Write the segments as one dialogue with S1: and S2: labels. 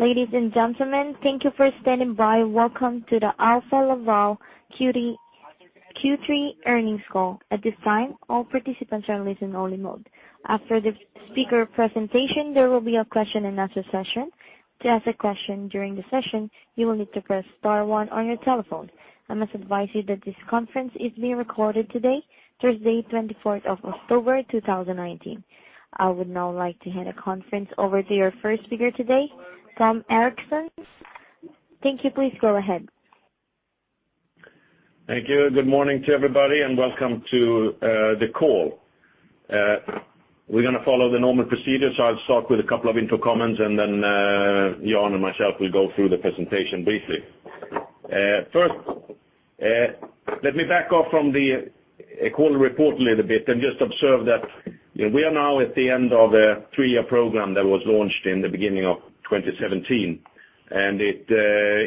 S1: Ladies and gentlemen, thank you for standing by. Welcome to the Alfa Laval Q3 earnings call. At this time, all participants are in listen-only mode. After the speaker presentation, there will be a question and answer session. To ask a question during the session, you will need to press star one on your telephone. I must advise you that this conference is being recorded today, Thursday, 24th of October, 2019. I would now like to hand the conference over to our first speaker today, Tom Erixon. Thank you. Please go ahead.
S2: Thank you. Good morning to everybody, and welcome to the call. We're going to follow the normal procedure, so I'll start with a couple of intro comments, and then Jan and myself will go through the presentation briefly. First, let me back off from the quarterly report a little bit and just observe that we are now at the end of a three-year program that was launched in the beginning of 2017. It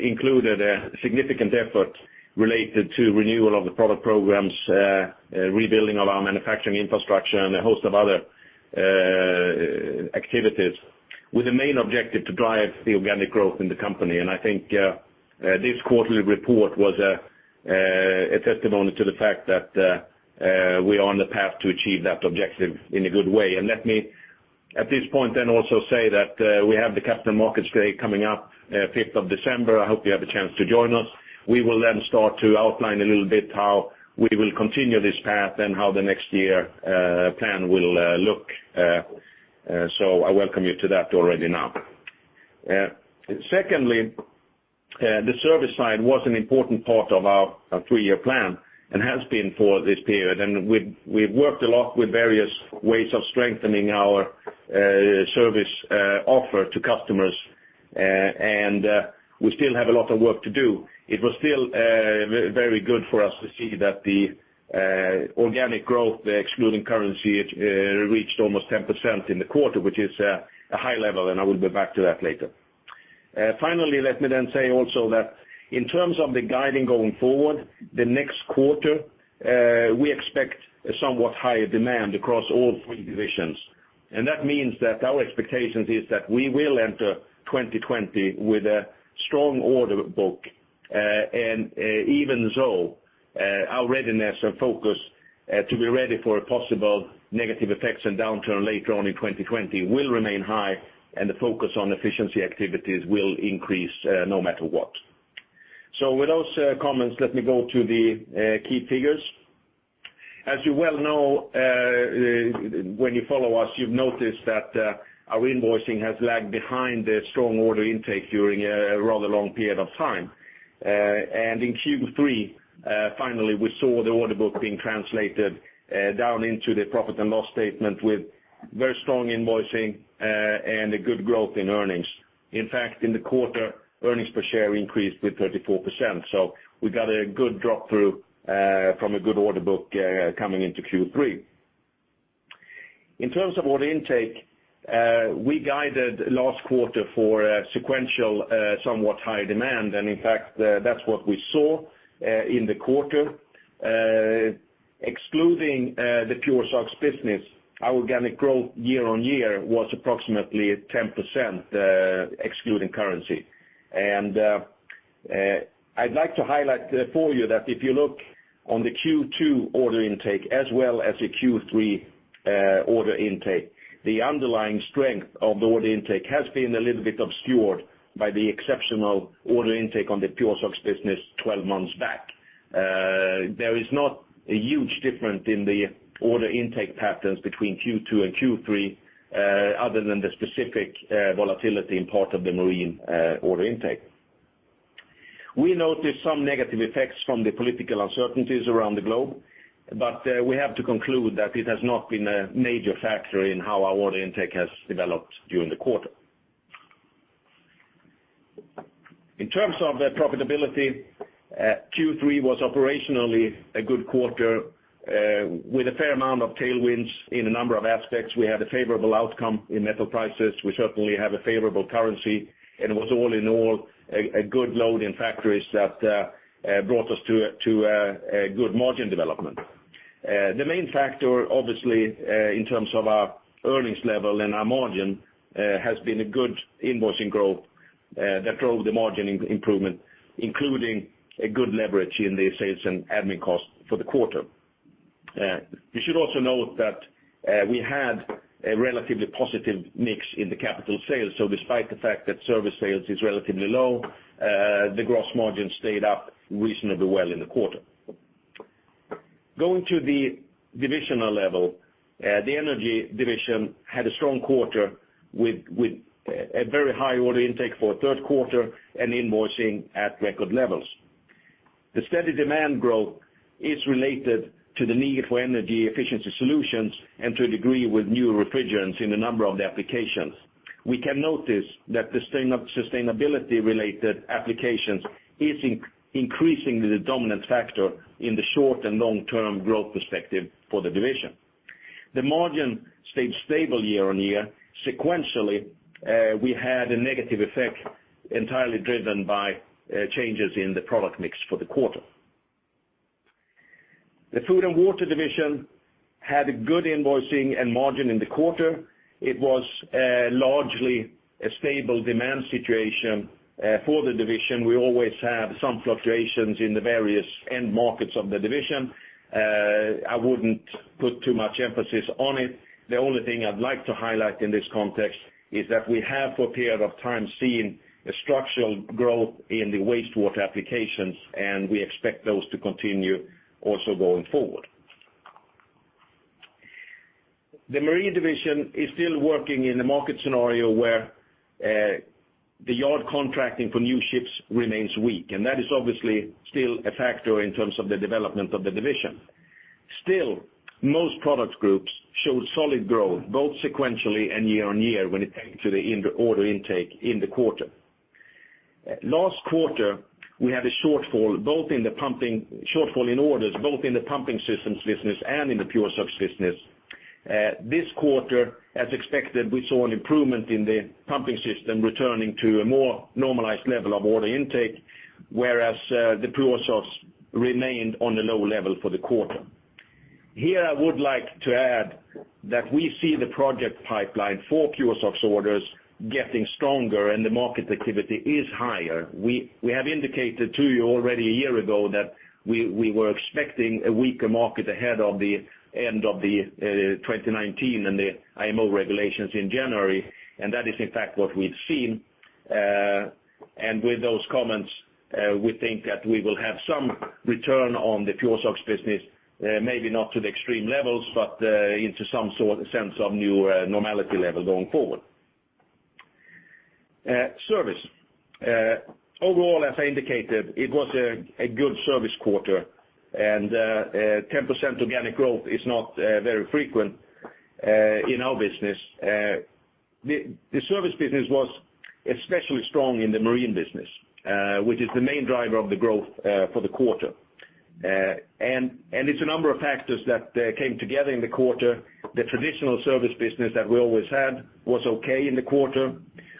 S2: included a significant effort related to renewal of the product programs, rebuilding of our manufacturing infrastructure, and a host of other activities, with the main objective to drive the organic growth in the company. I think this quarterly report was a testimony to the fact that we are on the path to achieve that objective in a good way. Let me, at this point then also say that we have the Capital Markets Day coming up 5th of December. I hope you have a chance to join us. We will then start to outline a little bit how we will continue this path and how the next year plan will look. I welcome you to that already now. Secondly, the service side was an important part of our three-year plan and has been for this period, and we've worked a lot with various ways of strengthening our service offer to customers, and we still have a lot of work to do. It was still very good for us to see that the organic growth, excluding currency, it reached almost 10% in the quarter, which is a high level, and I will be back to that later. Finally, let me then say also that in terms of the guiding going forward, the next quarter, we expect a somewhat higher demand across all 3 divisions. That means that our expectations is that we will enter 2020 with a strong order book. Even so, our readiness and focus to be ready for possible negative effects and downturn later on in 2020 will remain high, and the focus on efficiency activities will increase no matter what. With those comments, let me go to the key figures. As you well know, when you follow us, you've noticed that our invoicing has lagged behind the strong order intake during a rather long period of time. In Q3, finally, we saw the order book being translated down into the profit and loss statement with very strong invoicing and a good growth in earnings. In fact, in the quarter, earnings per share increased with 34%. We got a good drop through from a good order book coming into Q3. In terms of order intake, we guided last quarter for sequential, somewhat higher demand. In fact, that's what we saw, in the quarter. Excluding the PureSOx business, our organic growth year-over-year was approximately at 10%, excluding currency. I'd like to highlight for you that if you look on the Q2 order intake as well as the Q3 order intake, the underlying strength of the order intake has been a little bit obscured by the exceptional order intake on the PureSOx business 12 months back. There is not a huge difference in the order intake patterns between Q2 and Q3, other than the specific volatility in part of the marine order intake. We noticed some negative effects from the political uncertainties around the globe, but we have to conclude that it has not been a major factor in how our order intake has developed during the quarter. In terms of the profitability, Q3 was operationally a good quarter, with a fair amount of tailwinds in a number of aspects. We had a favorable outcome in metal prices. We certainly have a favorable currency, and it was all in all a good load in factories that brought us to a good margin development. The main factor, obviously, in terms of our earnings level and our margin, has been a good invoicing growth that drove the margin improvement, including a good leverage in the sales and admin cost for the quarter. You should also note that we had a relatively positive mix in the capital sales. Despite the fact that service sales is relatively low, the gross margin stayed up reasonably well in the quarter. Going to the divisional level, the Energy Division had a strong quarter with a very high order intake for a third quarter and invoicing at record levels. The steady demand growth is related to the need for energy efficiency solutions and to a degree with new refrigerants in a number of the applications. We can notice that the sustainability-related applications is increasingly the dominant factor in the short and long-term growth perspective for the division. The margin stayed stable year-on-year. Sequentially, we had a negative effect entirely driven by changes in the product mix for the quarter. The Food & Water Division had a good invoicing and margin in the quarter. It was largely a stable demand situation for the division. We always have some fluctuations in the various end markets of the division. I wouldn't put too much emphasis on it. The only thing I'd like to highlight in this context is that we have, for a period of time, seen a structural growth in the wastewater applications, and we expect those to continue also going forward. The Marine Division is still working in a market scenario where the yard contracting for new ships remains weak, and that is obviously still a factor in terms of the development of the division. Still, most product groups showed solid growth both sequentially and year-on-year when it came to the order intake in the quarter. Last quarter, we had a shortfall in orders, both in the pumping systems business and in the PureSOx business. This quarter, as expected, we saw an improvement in the pumping system returning to a more normalized level of order intake, whereas the PureSOx remained on a low level for the quarter. Here, I would like to add that we see the project pipeline for PureSOx orders getting stronger and the market activity is higher. We have indicated to you already a year ago that we were expecting a weaker market ahead of the end of 2019 and the IMO regulations in January. That is, in fact, what we've seen. With those comments, we think that we will have some return on the PureSOx business, maybe not to the extreme levels, but into some sense of new normality level going forward. Service. Overall, as I indicated, it was a good service quarter, 10% organic growth is not very frequent in our business. The service business was especially strong in the marine business, which is the main driver of the growth for the quarter. It's a number of factors that came together in the quarter. The traditional service business that we always had was okay in the quarter.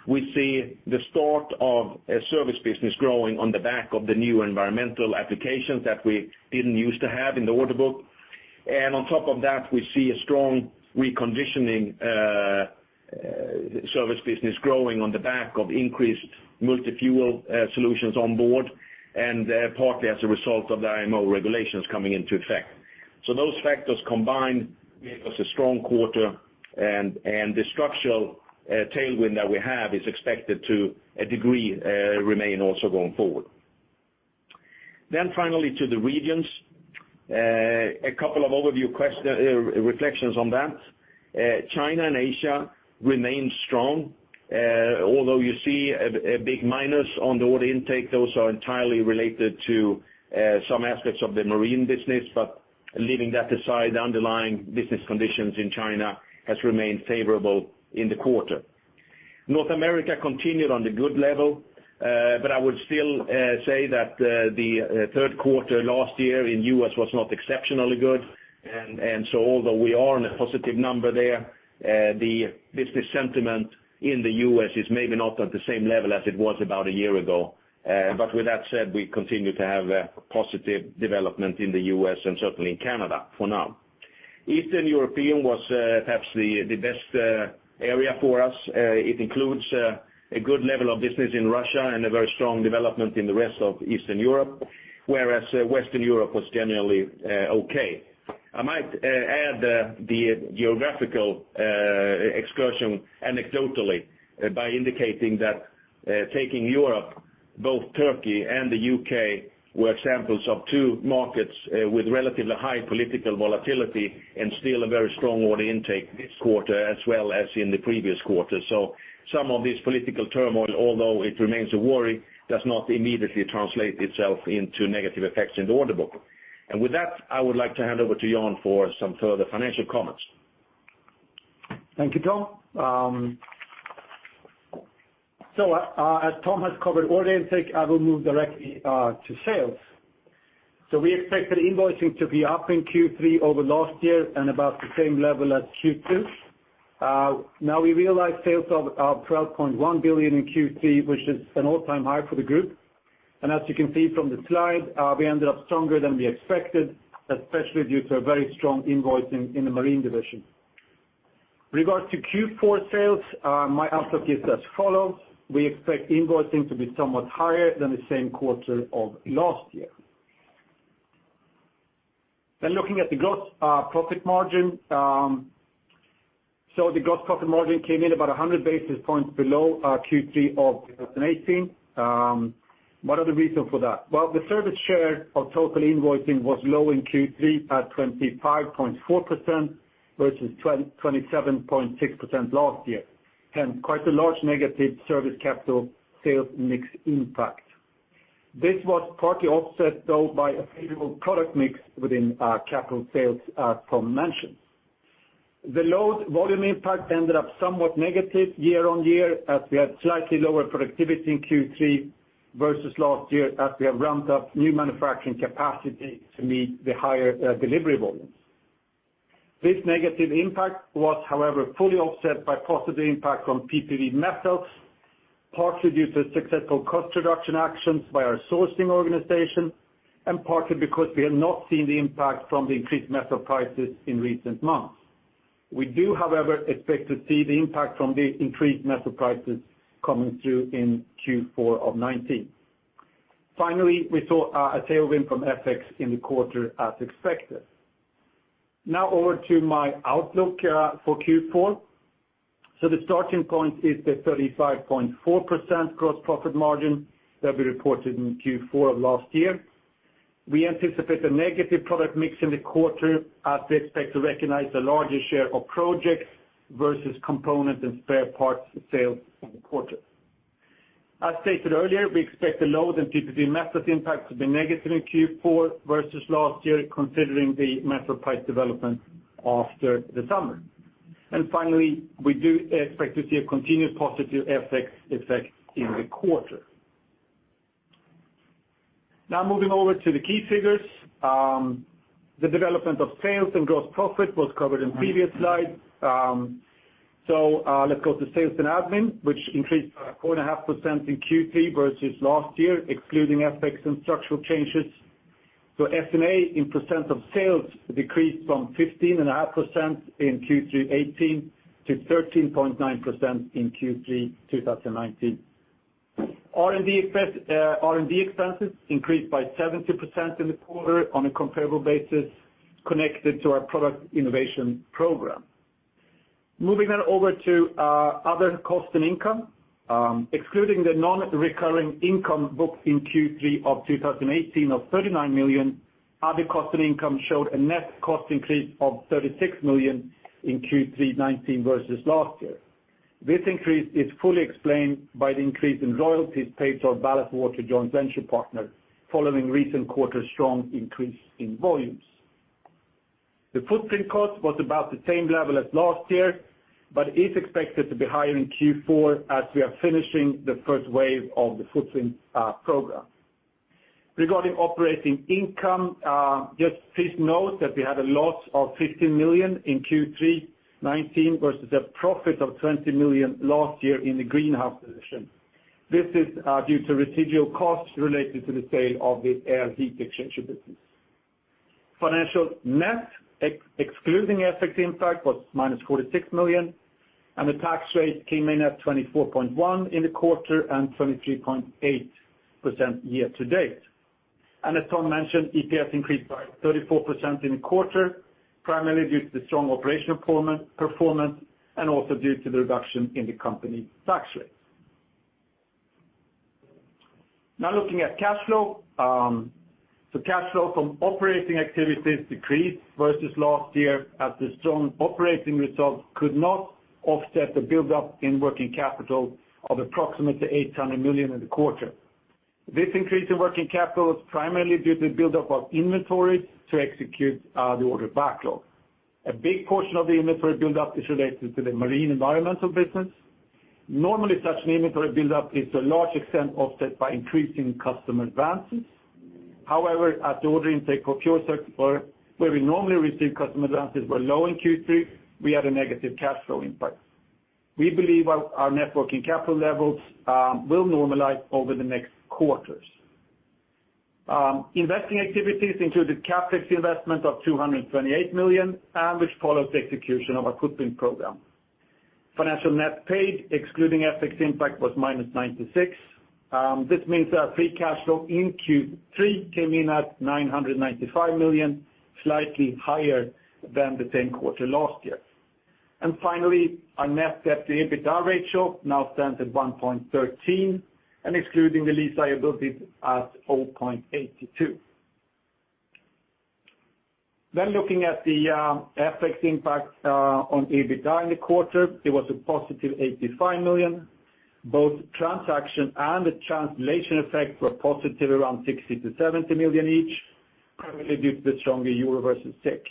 S2: We see the start of a service business growing on the back of the new environmental applications that we didn't use to have in the order book. On top of that, we see a strong reconditioning service business growing on the back of increased multi-fuel solutions on board, and partly as a result of the IMO regulations coming into effect. Those factors combined gave us a strong quarter, and the structural tailwind that we have is expected to, a degree, remain also going forward. Finally to the regions. A couple of overview reflections on that. China and Asia remain strong. Although you see a big minus on the order intake, those are entirely related to some aspects of the marine business. Leaving that aside, the underlying business conditions in China has remained favorable in the quarter. North America continued on the good level. I would still say that the third quarter last year in U.S. was not exceptionally good. Although we are in a positive number there, the business sentiment in the U.S. is maybe not at the same level as it was about a year ago. With that said, we continue to have a positive development in the U.S. and certainly in Canada for now. Eastern European was perhaps the best area for us. It includes a good level of business in Russia and a very strong development in the rest of Eastern Europe, whereas Western Europe was generally okay. I might add the geographical excursion anecdotally by indicating that taking Europe, both Turkey and the U.K., were examples of two markets with relatively high political volatility and still a very strong order intake this quarter as well as in the previous quarter. Some of this political turmoil, although it remains a worry, does not immediately translate itself into negative effects in the order book. With that, I would like to hand over to Jan for some further financial comments.
S3: Thank you, Tom. As Tom has covered order intake, I will move directly to sales. We realized sales of 12.1 billion in Q3, which is an all-time high for the group. As you can see from the slide, we ended up stronger than we expected, especially due to a very strong invoicing in the marine division. Regards to Q4 sales, my outlook is as follows. We expect invoicing to be somewhat higher than the same quarter of last year. Looking at the gross profit margin. The gross profit margin came in about 100 basis points below Q3 of 2018. What are the reasons for that? Well, the service share of total invoicing was low in Q3 at 25.4% versus 27.6% last year. Hence, quite a large negative service capital sales mix impact. This was partly offset, though, by a favorable product mix within capital sales as Tom mentioned. The load volume impact ended up somewhat negative year-on-year as we had slightly lower productivity in Q3 versus last year as we have ramped up new manufacturing capacity to meet the higher delivery volume. This negative impact was however fully offset by positive impact on PPD methods, partly due to successful cost reduction actions by our sourcing organization, and partly because we have not seen the impact from the increased metal prices in recent months. We do, however, expect to see the impact from the increased metal prices coming through in Q4 of 2019. Finally, we saw a tailwind from FX in the quarter as expected. Now over to my outlook for Q4. The starting point is the 35.4% gross profit margin that we reported in Q4 of last year. We anticipate a negative product mix in the quarter as we expect to recognize a larger share of projects versus component and spare parts sales in the quarter. As stated earlier, we expect the load and PPD methods impact to be negative in Q4 versus last year, considering the metal price development after the summer. Finally, we do expect to see a continued positive FX effect in the quarter. Moving over to the key figures. The development of sales and gross profit was covered in previous slides. Let's go to sales and admin, which increased 4.5% in Q3 versus last year, excluding FX and structural changes. S&A in % of sales decreased from 15.5% in Q3 2018 to 13.9% in Q3 2019. R&D expenses increased by 70% in the quarter on a comparable basis connected to our product innovation program. Moving over to other cost and income, excluding the non-recurring income booked in Q3 of 2018 of 39 million, other cost and income showed a net cost increase of 36 million in Q3 2019 versus last year. This increase is fully explained by the increase in royalties paid to our ballast water joint venture partner following recent quarter strong increase in volumes. The footprint cost was about the same level as last year, but is expected to be higher in Q4 as we are finishing the first wave of the footprint program. Regarding operating income, please note that we had a loss of 15 million in Q3 2019 versus a profit of 20 million last year in the Greenhouse Division. This is due to residual costs related to the sale of the air heat exchanger business. Financial net, excluding FX impact, was -46 million. The tax rate came in at 24.1% in the quarter and 23.8% year to date. As Tom mentioned, EPS increased by 34% in the quarter, primarily due to the strong operational performance and also due to the reduction in the company tax rates. Looking at cash flow. Cash flow from operating activities decreased versus last year as the strong operating results could not offset the buildup in working capital of approximately 800 million in the quarter. This increase in working capital is primarily due to the buildup of inventory to execute the order backlog. A big portion of the inventory buildup is related to the marine environmental business. Normally, such an inventory buildup is to a large extent offset by increasing customer advances. As the order intake for PureSOx where we normally receive customer advances were low in Q3, we had a negative cash flow impact. We believe our net working capital levels will normalize over the next quarters. Investing activities included CapEx investment of SEK 228 million, which follows the execution of our footprint program. Financial net paid, excluding FX impact, was minus 96. This means our free cash flow in Q3 came in at 995 million, slightly higher than the same quarter last year. Finally, our net debt to EBITDA ratio now stands at 1.13, and excluding the lease liabilities at 0.82. Looking at the FX impact on EBITDA in the quarter, it was a positive 85 million. Both transaction and the translation effect were positive around 60 million-70 million each, primarily due to the stronger EUR versus SEK.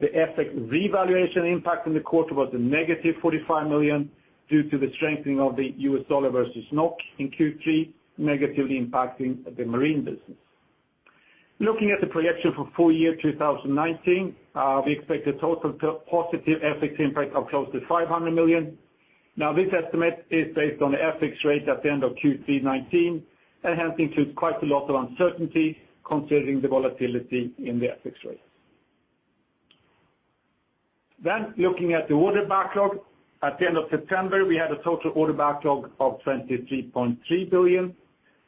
S3: The FX revaluation impact in the quarter was a negative 45 million due to the strengthening of the US dollar versus NOK in Q3, negatively impacting the marine business. Looking at the projection for full year 2019, we expect a total positive FX impact of close to 500 million. This estimate is based on the FX rate at the end of Q3 2019, and hence includes quite a lot of uncertainty considering the volatility in the FX rate. Looking at the order backlog. At the end of September, we had a total order backlog of 23.3 billion,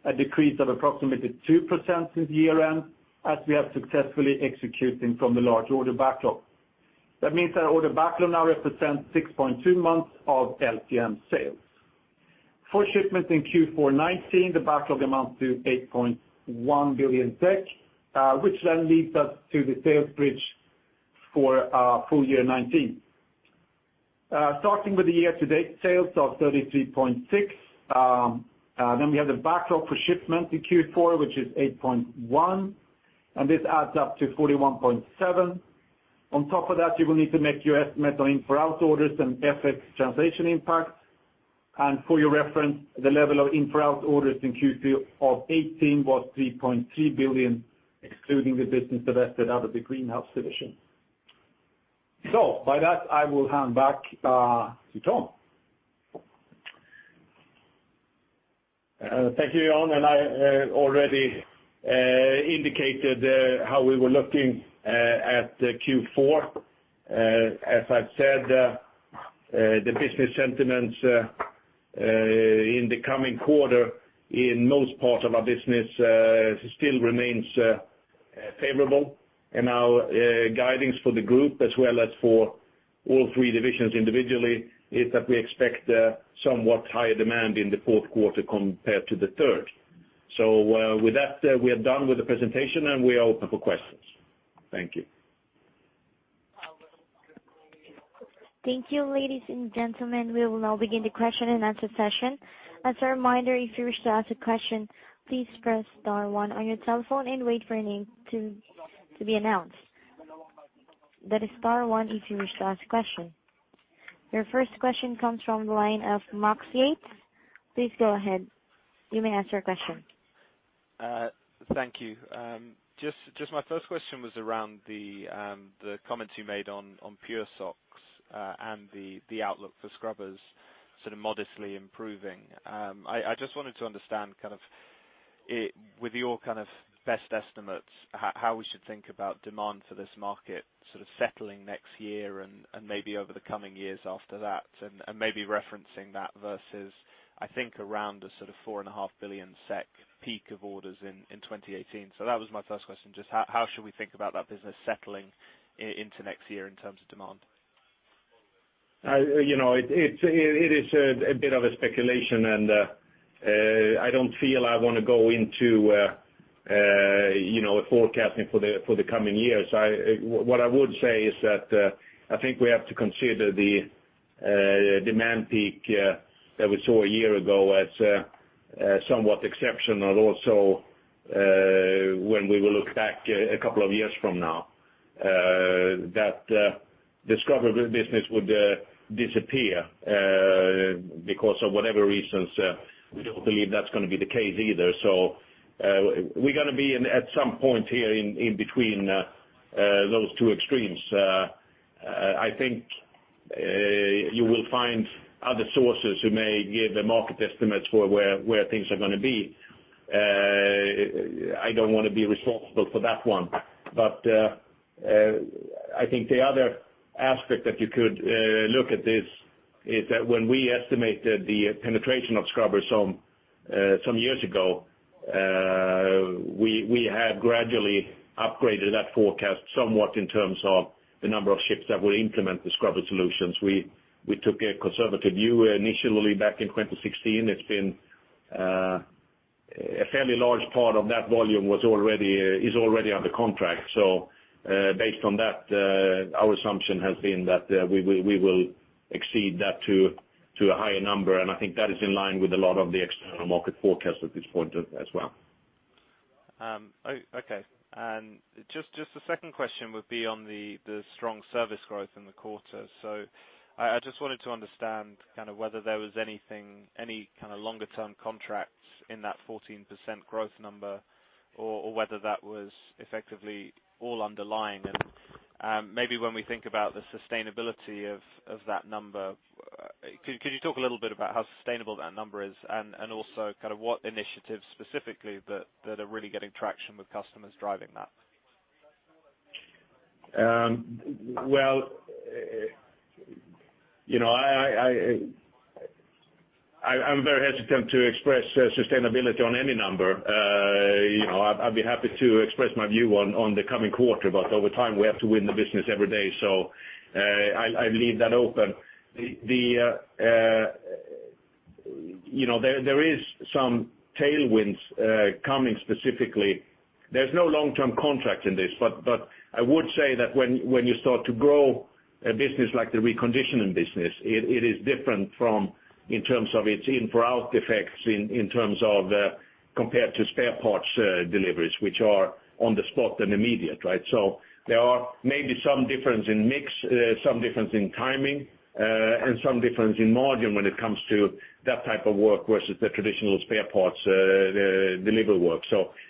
S3: a decrease of approximately 2% since year-end, as we are successfully executing from the large order backlog. That means our order backlog now represents 6.2 months of LTM sales. For shipments in Q4 2019, the backlog amounts to 8.1 billion, which leads us to the sales bridge for our full year 2019. Starting with the year-to-date sales of 33.6 billion. We have the backlog for shipment in Q4, which is 8.1 billion, and this adds up to 41.7 billion. On top of that, you will need to make your estimate on in-for-out orders and FX translation impact. For your reference, the level of in-for-out orders in Q2 2018 was SEK 3.3 billion, excluding the business divested out of the Greenhouse division. With that, I will hand back to Tom.
S2: Thank you, everyone. I already indicated how we were looking at Q4. As I've said, the business sentiment in the coming quarter in most parts of our business still remains favorable, and our guidance for the group, as well as for all three divisions individually, is that we expect somewhat higher demand in the fourth quarter compared to the third. With that, we are done with the presentation, and we are open for questions. Thank you.
S1: Thank you, ladies and gentlemen. We will now begin the question and answer session. As a reminder, if you wish to ask a question, please press star one on your telephone and wait for your name to be announced. That is star one if you wish to ask a question. Your first question comes from the line of Max Yates. Please go ahead. You may ask your question.
S4: Thank you. Just my first question was around the comments you made on PureSOx, and the outlook for scrubbers sort of modestly improving. I just wanted to understand with your best estimates, how we should think about demand for this market sort of settling next year and maybe over the coming years after that, and maybe referencing that versus, I think around a sort of 4.5 billion SEK peak of orders in 2018. That was my first question, just how should we think about that business settling into next year in terms of demand?
S2: It is a bit of a speculation, and I don't feel I want to go into a forecasting for the coming years. What I would say is that I think we have to consider the demand peak that we saw a year ago as somewhat exceptional, also when we will look back a couple of years from now. That the scrubber business would disappear because of whatever reasons, we don't believe that's going to be the case either. We're going to be at some point here in between those two extremes. I think you will find other sources who may give the market estimates for where things are going to be. I don't want to be responsible for that one. I think the other aspect that you could look at this is that when we estimated the penetration of scrubbers some years ago, we have gradually upgraded that forecast somewhat in terms of the number of ships that will implement the scrubber solutions. We took a conservative view initially back in 2016. A fairly large part of that volume is already under contract. Based on that, our assumption has been that we will exceed that to a higher number, and I think that is in line with a lot of the external market forecasts at this point as well.
S4: Okay. Just the second question would be on the strong service growth in the quarter. I just wanted to understand kind of whether there was any kind of longer-term contracts in that 14% growth number, or whether that was effectively all underlying. Maybe when we think about the sustainability of that number, could you talk a little bit about how sustainable that number is? Also kind of what initiatives specifically that are really getting traction with customers driving that?
S2: Well, I am very hesitant to express sustainability on any number. I would be happy to express my view on the coming quarter. Over time, we have to win the business every day. I leave that open. There is some tailwinds coming specifically. There is no long-term contract in this. I would say that when you start to grow a business like the reconditioning business, it is different from, in terms of its in-for-out effects, in terms of compared to spare parts deliveries, which are on the spot and immediate, right? There are maybe some difference in mix, some difference in timing, and some difference in margin when it comes to that type of work versus the traditional spare parts delivery work.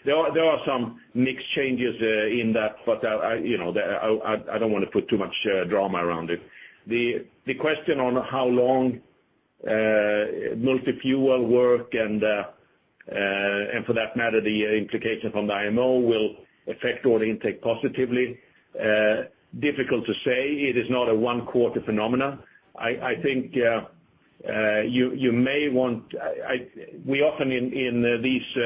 S2: There are some mix changes in that. I don't want to put too much drama around it. The question on how long multi-fuel work and for that matter, the implication from the IMO will affect order intake positively, difficult to say. It is not a one-quarter phenomenon. We often in these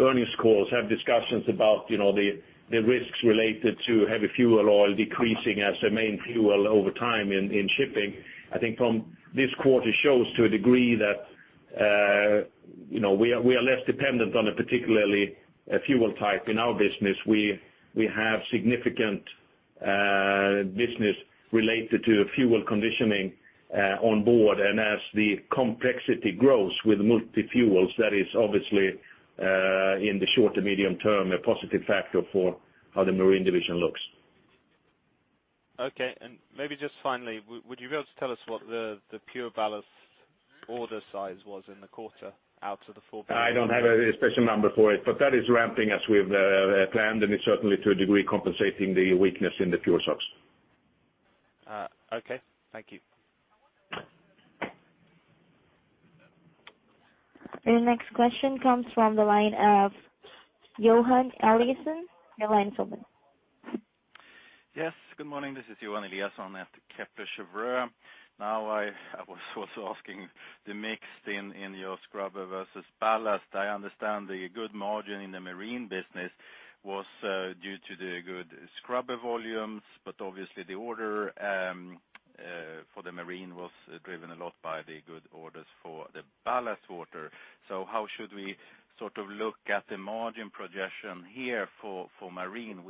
S2: earnings calls have discussions about the risks related to heavy fuel oil decreasing as the main fuel over time in shipping. I think from this quarter shows to a degree that we are less dependent on a particular fuel type in our business. We have significant business related to fuel conditioning on board, and as the complexity grows with multi-fuels, that is obviously in the short to medium term, a positive factor for how the Marine Division looks.
S4: Okay. Maybe just finally, would you be able to tell us what the PureBallast order size was in the quarter out of the 4 billion?
S2: I don't have a special number for it, but that is ramping as we have planned, and it's certainly to a degree compensating the weakness in the PureSOx.
S4: Okay. Thank you.
S1: Your next question comes from the line of Johan Eliason. Your line is open.
S5: Yes. Good morning. This is Johan Eliason at Kepler Cheuvreux. I was also asking the mix in your scrubber versus ballast. I understand the good margin in the marine business was due to the good scrubber volumes, but obviously the order for the marine was driven a lot by the good orders for the ballast water. How should we look at the margin projection here for marine?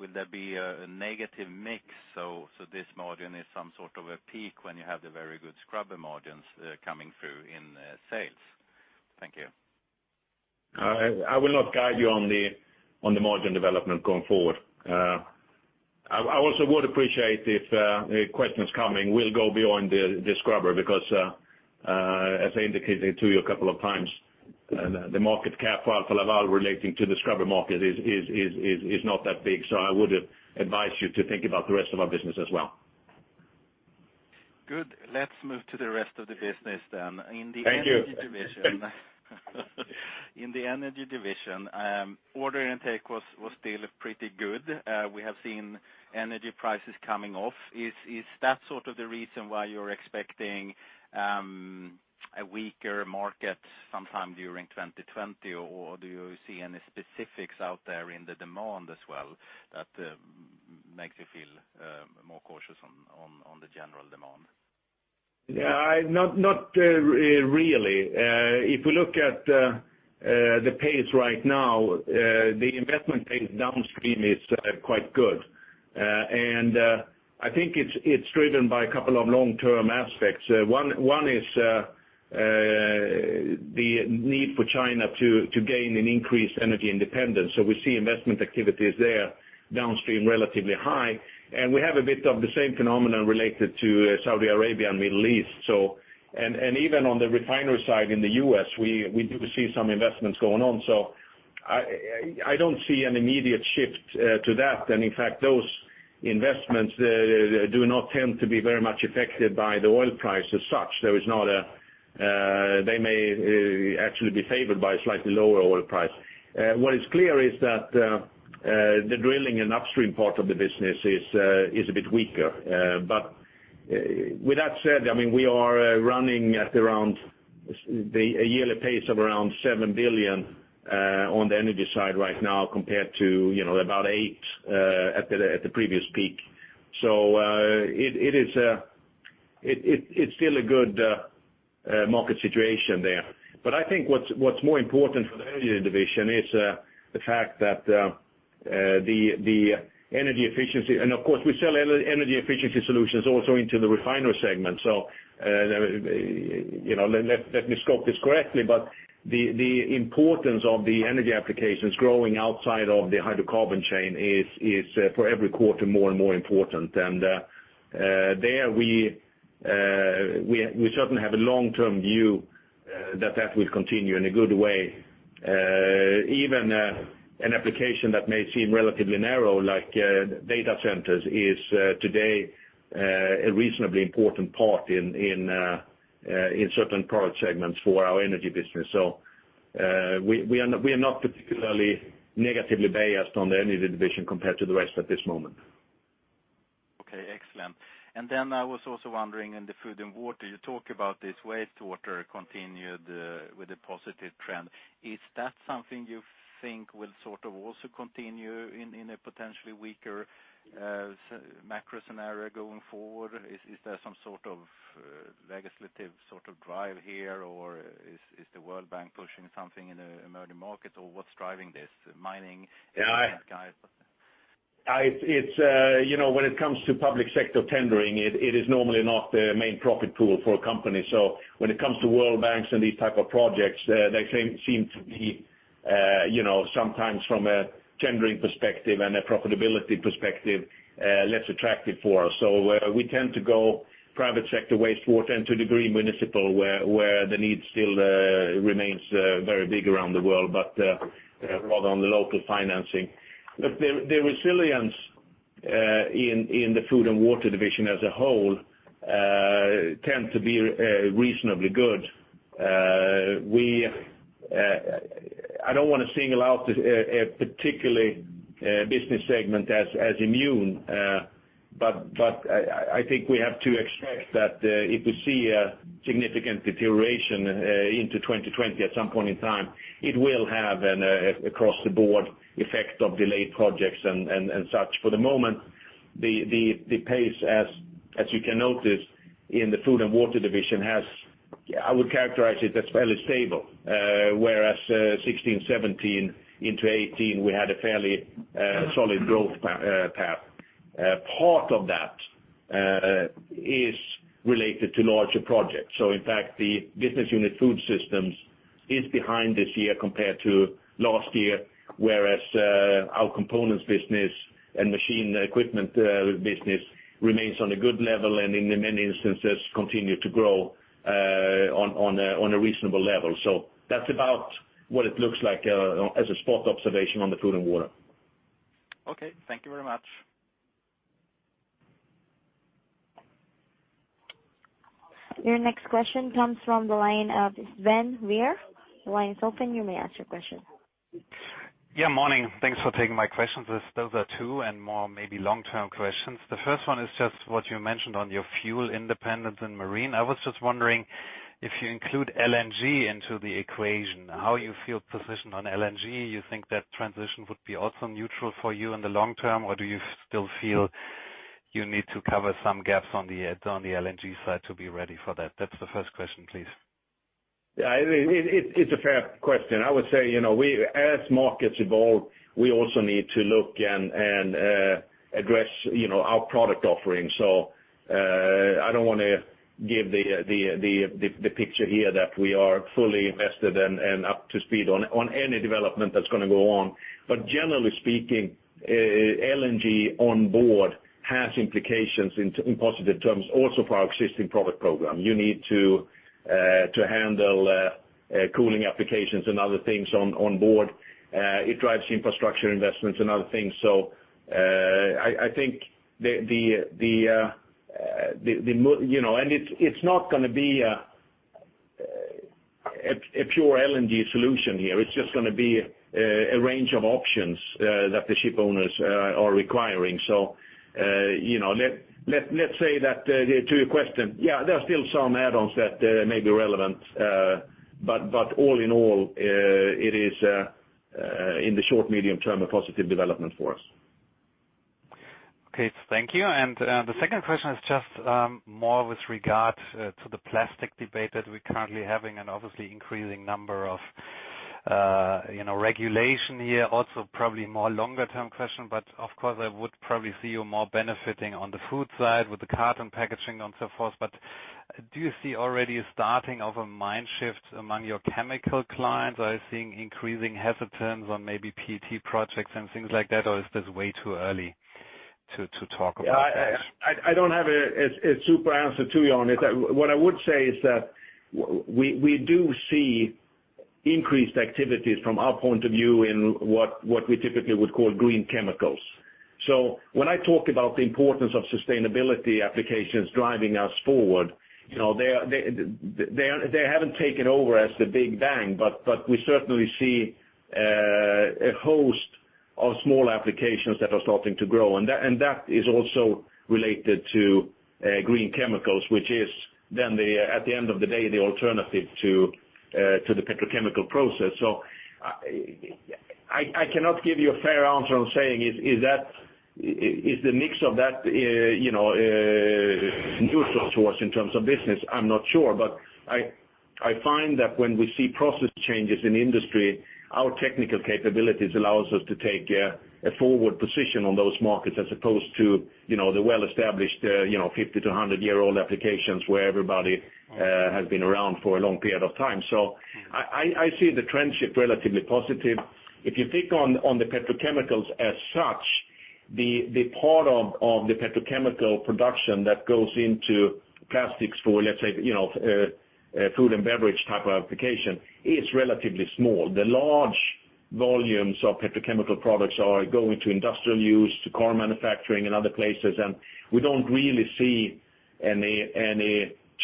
S5: Will there be a negative mix, so this margin is some sort of a peak when you have the very good scrubber margins coming through in sales? Thank you.
S2: I will not guide you on the margin development going forward. I would appreciate if questions coming will go beyond the scrubber, because, as I indicated to you a couple of times, the market cap for Alfa Laval relating to the scrubber market is not that big. I would advise you to think about the rest of our business as well.
S5: Good. Let's move to the rest of the business then.
S2: Thank you.
S5: In the energy division, order intake was still pretty good. We have seen energy prices coming off. Is that sort of the reason why you're expecting a weaker market sometime during 2020? Do you see any specifics out there in the demand as well that makes you feel more cautious on the general demand?
S2: Not really. If we look at the pace right now, the investment pace downstream is quite good. I think it's driven by a couple of long-term aspects. One is the need for China to gain an increased energy independence. We see investment activities there downstream relatively high, and we have a bit of the same phenomenon related to Saudi Arabia and Middle East. Even on the refinery side in the U.S., we do see some investments going on. I don't see an immediate shift to that. In fact, those investments do not tend to be very much affected by the oil price as such. They may actually be favored by a slightly lower oil price. What is clear is that the drilling and upstream part of the business is a bit weaker. With that said, we are running at a yearly pace of around 7 billion on the Energy side right now compared to about 8 billion at the previous peak. It's still a good market situation there. I think what's more important for the Energy division is the fact that the energy efficiency, and of course, we sell energy efficiency solutions also into the refiner segment. Let me scope this correctly, the importance of the energy applications growing outside of the hydrocarbon chain is, for every quarter, more and more important. There we certainly have a long-term view that will continue in a good way. Even an application that may seem relatively narrow, like data centers, is today a reasonably important part in certain product segments for our Energy business. We are not particularly negatively biased on the energy division compared to the rest at this moment.
S5: Okay, excellent. I was also wondering in the food and water, you talk about this wastewater continued with a positive trend. Is that something you think will also continue in a potentially weaker macro scenario going forward? Is there some sort of legislative drive here, or is the World Bank pushing something in the emerging market, or what's driving this? Mining?
S2: When it comes to public sector tendering, it is normally not the main profit pool for a company. When it comes to World Bank and these type of projects, they seem to be, sometimes from a tendering perspective and a profitability perspective, less attractive for us. We tend to go private sector wastewater and to degree municipal, where the need still remains very big around the world, but more on the local financing. The resilience in the Food & Water Division as a whole tends to be reasonably good. I don't want to single out a particular business segment as immune, but I think we have to expect that if we see a significant deterioration into 2020 at some point in time, it will have an across-the-board effect of delayed projects and such. For the moment, the pace, as you can notice in the Food & Water Division has, I would characterize it as fairly stable. 2016, 2017 into 2018, we had a fairly solid growth path. Part of that is related to larger projects. In fact, the business unit Food Systems is behind this year compared to last year, whereas our components business and machine equipment business remains on a good level, and in many instances, continue to grow on a reasonable level. That's about what it looks like as a spot observation on the Food & Water.
S5: Okay. Thank you very much.
S1: Your next question comes from the line of Sven Weier. The line is open. You may ask your question.
S6: Yeah, morning. Thanks for taking my questions. Those are two and more maybe long-term questions. The first one is just what you mentioned on your fuel independence in marine. I was just wondering if you include LNG into the equation, how you feel positioned on LNG. You think that transition would be also neutral for you in the long term, or do you still feel you need to cover some gaps on the LNG side to be ready for that? That's the first question, please.
S2: Yeah, it's a fair question. I would say, as markets evolve, we also need to look and address our product offerings. I don't want to give the picture here that we are fully invested and up to speed on any development that's going to go on. Generally speaking, LNG on board has implications in positive terms also for our existing product program. You need to handle cooling applications and other things on board. It drives infrastructure investments and other things. It's not going to be a pure LNG solution here. It's just going to be a range of options that the ship owners are requiring. Let's say that, to your question, yeah, there are still some add-ons that may be relevant. All in all, it is in the short-medium term, a positive development for us.
S6: Okay. Thank you. The second question is just more with regard to the plastic debate that we're currently having and obviously increasing number of regulation here, also probably more longer term question, but of course I would probably see you more benefiting on the food side with the carton packaging and so forth. Do you see already a starting of a mind shift among your chemical clients? Are you seeing increasing hesitance on maybe PET projects and things like that, or is this way too early to talk about that?
S2: I don't have a super answer to you on it. What I would say is that we do see increased activities from our point of view in what we typically would call green chemicals. When I talk about the importance of sustainability applications driving us forward, they haven't taken over as the big bang, but we certainly see a host of small applications that are starting to grow. That is also related to green chemicals, which is then at the end of the day, the alternative to the petrochemical process. I cannot give you a fair answer on saying is the mix of that neutral to us in terms of business, I'm not sure. I find that when we see process changes in industry, our technical capabilities allows us to take a forward position on those markets as opposed to the well-established set in 100-year-old applications where everybody has been around for a long period of time. I see the trend shift relatively positive. If you pick on the petrochemicals as such, the part of the petrochemical production that goes into plastics for, let's say, food and beverage type of application, is relatively small. The large volumes of petrochemical products are going to industrial use, to car manufacturing and other places, and we don't really see any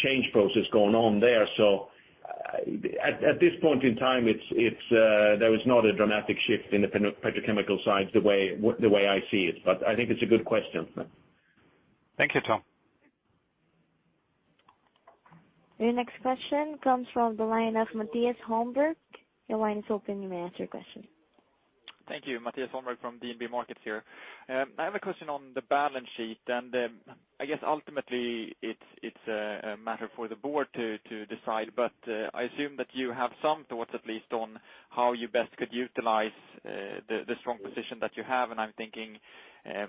S2: change process going on there. At this point in time, there is not a dramatic shift in the petrochemical side the way I see it. I think it's a good question.
S6: Thank you, Tom.
S1: Your next question comes from the line of Mattias Holmberg. Your line is open. You may ask your question.
S7: Thank you. Mattias Holmberg from DNB Markets here. I have a question on the balance sheet. I guess ultimately, it's a matter for the board to decide, but I assume that you have some thoughts at least on how you best could utilize the strong position that you have. I'm thinking,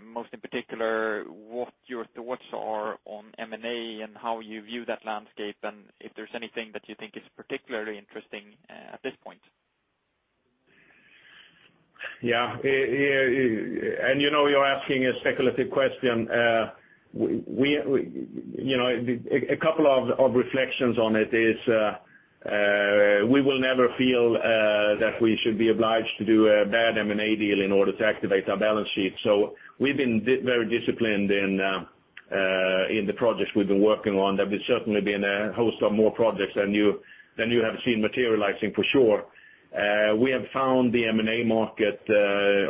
S7: most in particular, what your thoughts are on M&A and how you view that landscape. If there's anything that you think is particularly interesting at this point.
S2: Yeah. You know you're asking a speculative question. A couple of reflections on it is, we will never feel that we should be obliged to do a bad M&A deal in order to activate our balance sheet. We've been very disciplined in the projects we've been working on. There will certainly been a host of more projects than you have seen materializing, for sure. We have found the M&A market,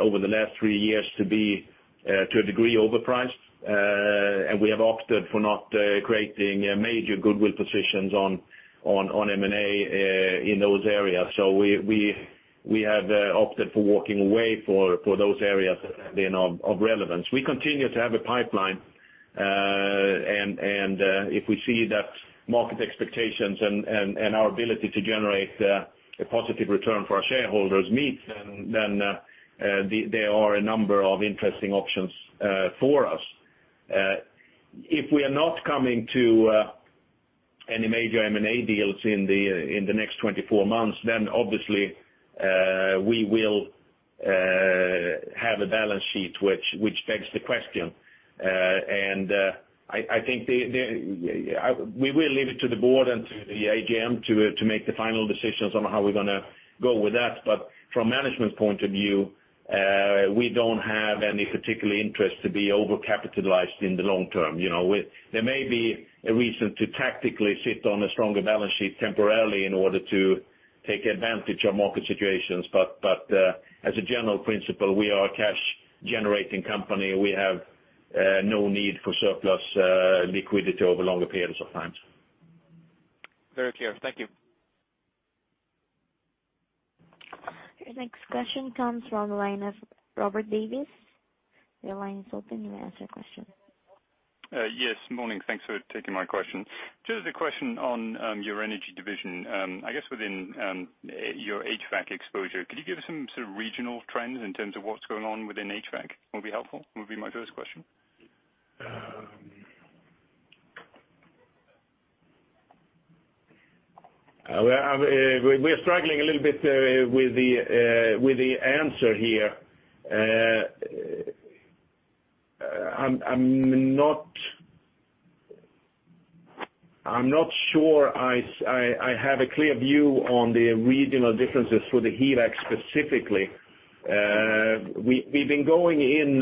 S2: over the last three years to a degree overpriced. We have opted for not creating major goodwill positions on M&A in those areas. We have opted for walking away for those areas being of relevance. We continue to have a pipeline, and if we see that market expectations and our ability to generate a positive return for our shareholders meets, then there are a number of interesting options for us. If we are not coming to any major M&A deals in the next 24 months, obviously we will have a balance sheet which begs the question. I think we will leave it to the board and to the AGM to make the final decisions on how we're going to go with that. From management's point of view, we don't have any particular interest to be over-capitalized in the long term. There may be a reason to tactically sit on a stronger balance sheet temporarily in order to take advantage of market situations. As a general principle, we are a cash-generating company. We have no need for surplus liquidity over longer periods of time.
S7: Very clear. Thank you.
S1: Your next question comes from the line of Robert Davies. Your line is open. You may ask your question.
S8: Yes. Morning. Thanks for taking my question. Just a question on your energy division, I guess within your HVAC exposure, could you give us some sort of regional trends in terms of what's going on within HVAC? Will be helpful, will be my first question.
S2: We're struggling a little bit with the answer here. I'm not sure I have a clear view on the regional differences for the HVAC specifically. We've been going in,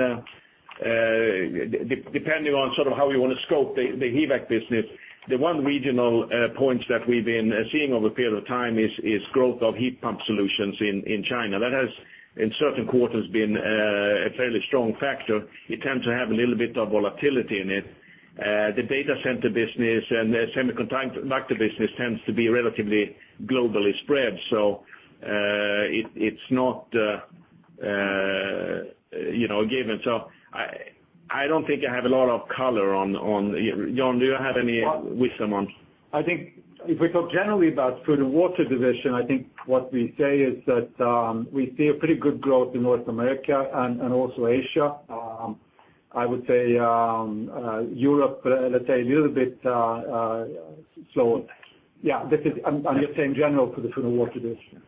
S2: depending on sort of how we want to scope the HVAC business, the one regional point that we've been seeing over a period of time is growth of heat pump solutions in China. That has, in certain quarters, been a fairly strong factor. It tends to have a little bit of volatility in it. The data center business and the semiconductor business tends to be relatively globally spread, it's not given. I don't think I have a lot of color on Jan, do you have any wisdom on? I think if we talk generally about Food & Water Division, I think what we say is that we see a pretty good growth in North America and also Asia. I would say Europe, let's say a little bit slower. Yeah, I'm just saying general for the Food & Water Division.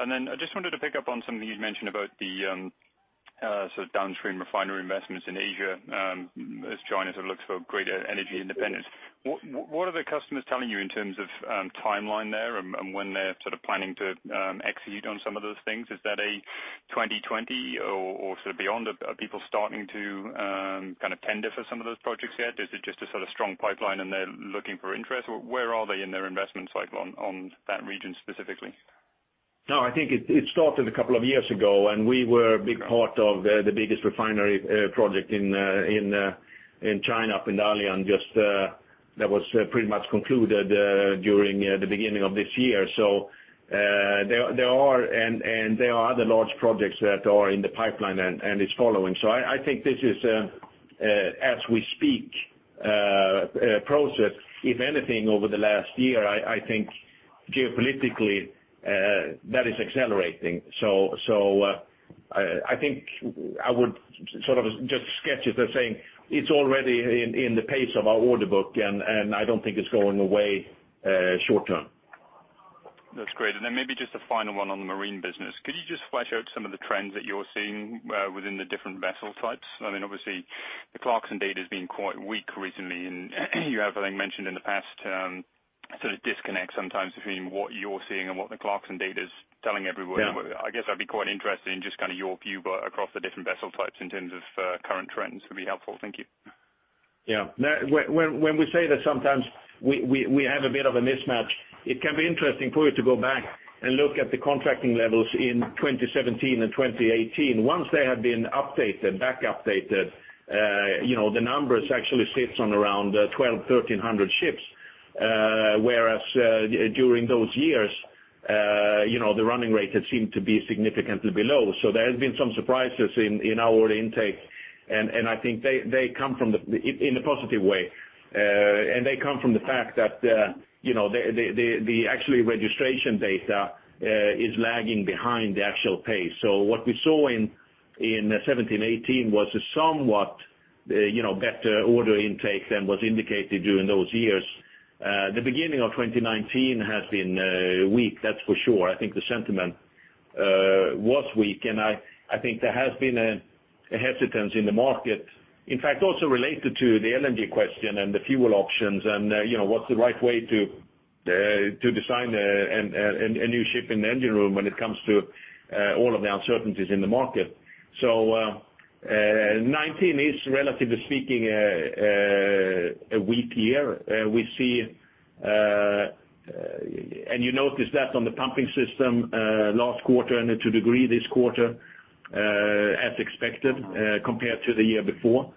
S8: I just wanted to pick up on something you'd mentioned about the sort of downstream refinery investments in Asia, as China sort of looks for greater energy independence. What are the customers telling you in terms of timeline there and when they're sort of planning to execute on some of those things? Is that a 2020 or sort of beyond? Are people starting to kind of tender for some of those projects yet? Is it just a sort of strong pipeline and they're looking for interest, or where are they in their investment cycle on that region specifically?
S2: No, I think it started a couple of years ago, and we were a big part of the biggest refinery project in China, up in Dalian, just that was pretty much concluded during the beginning of this year. There are other large projects that are in the pipeline, and it's following. I think this is, as we speak, a process. If anything, over the last year, I think geopolitically, that is accelerating. I think I would sort of just sketch it by saying it's already in the pace of our order book, and I don't think it's going away short-term.
S8: That's great. Then maybe just a final one on the marine business. Could you just flesh out some of the trends that you're seeing within the different vessel types? I mean, obviously, the Clarksons data has been quite weak recently, and you have mentioned in the past sort of disconnect sometimes between what you're seeing and what the Clarksons data is telling everyone.
S2: Yeah.
S8: I guess I'd be quite interested in just kind of your view across the different vessel types in terms of current trends would be helpful. Thank you.
S2: Yeah. When we say that sometimes we have a bit of a mismatch, it can be interesting for you to go back and look at the contracting levels in 2017 and 2018. Once they have been updated, back updated, the numbers actually sits on around 1,200, 1,300 ships, whereas during those years, the running rate had seemed to be significantly below. There has been some surprises in our intake, and I think they come in a positive way, and they come from the fact that the actual registration data is lagging behind the actual pace. What we saw in 2017, 2018 was a somewhat better order intake than was indicated during those years. The beginning of 2019 has been weak, that's for sure. I think the sentiment was weak, and I think there has been a hesitance in the market, in fact, also related to the LNG question and the fuel options and what's the right way to design a new ship in the engine room when it comes to all of the uncertainties in the market. 2019 is, relatively speaking, a weak year. We see, and you notice that on the pumping system, last quarter and to a degree this quarter, as expected, compared to the year before.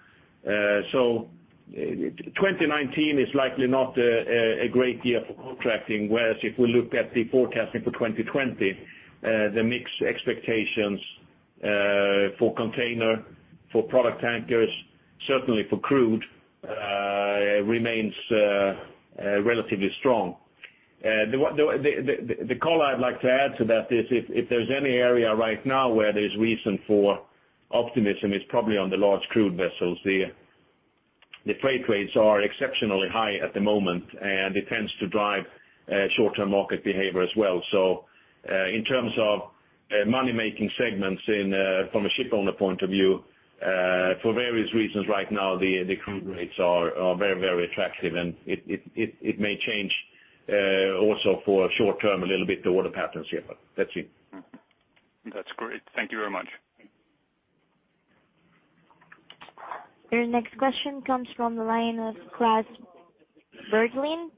S2: 2019 is likely not a great year for contracting, whereas if we look at the forecasting for 2020, the mixed expectations for container, for product tankers, certainly for crude, remains relatively strong. The call I'd like to add to that is, if there's any area right now where there's reason for optimism, it's probably on the large crude vessels. The freight rates are exceptionally high at the moment, and it tends to drive short-term market behavior as well. In terms of money-making segments from a ship owner point of view, for various reasons right now, the crude rates are very attractive, and it may change also for a short term a little bit, the order patterns here, but that's it.
S8: That's great. Thank you very much.
S1: Your next question comes from the line of Klas Bergelind.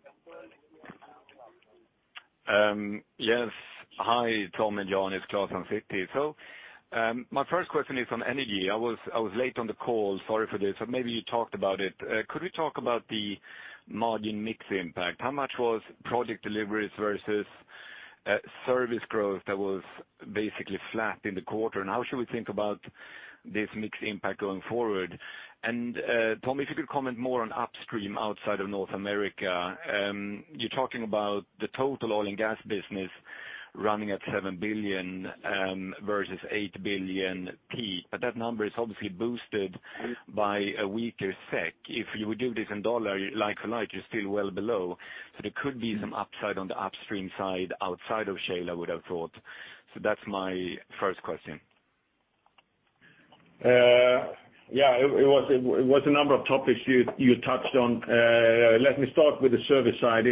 S9: Yes. Hi, Tom and Jan, it's Klas from Citi. My first question is on energy. I was late on the call. Sorry for this, but maybe you talked about it. Could we talk about the margin mix impact? How much was project deliveries versus service growth that was basically flat in the quarter, and how should we think about this mix impact going forward? Tom, if you could comment more on upstream outside of North America. You're talking about the total oil and gas business running at 7 billion versus 8 billion peak, but that number is obviously boosted by a weaker SEK. If you would do this in SEK like for like, you're still well below, there could be some upside on the upstream side outside of shale, I would have thought. That's my first question.
S2: It was a number of topics you touched on. Let me start with the service side.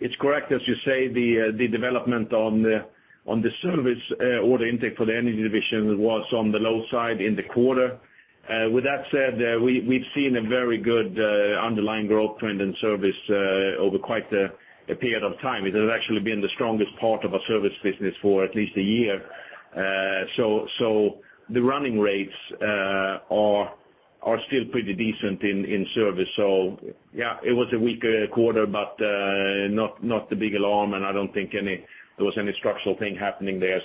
S2: It's correct, as you say, the development on the service order intake for the energy division was on the low side in the quarter. We've seen a very good underlying growth trend in service, over quite a period of time. It has actually been the strongest part of our service business for at least a year. The running rates are still pretty decent in service. Yeah, it was a weaker quarter, but not the big alarm, and I don't think there was any structural thing happening there.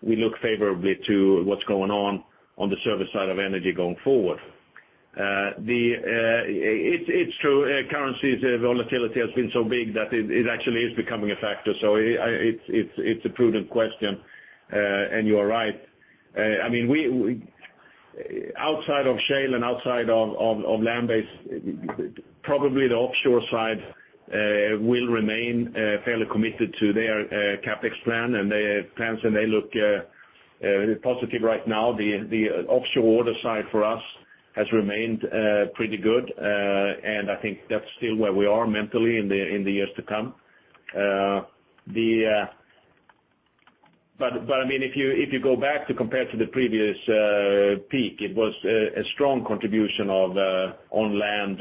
S2: We look favorably to what's going on the service side of energy going forward. It's true, currency's volatility has been so big that it actually is becoming a factor. It's a prudent question, and you are right. Outside of shale and outside of land-based, probably the offshore side will remain fairly committed to their CapEx plan and their plans, and they look positive right now. The offshore order side for us has remained pretty good, and I think that's still where we are mentally in the years to come. If you go back to compare to the previous peak, it was a strong contribution of on-land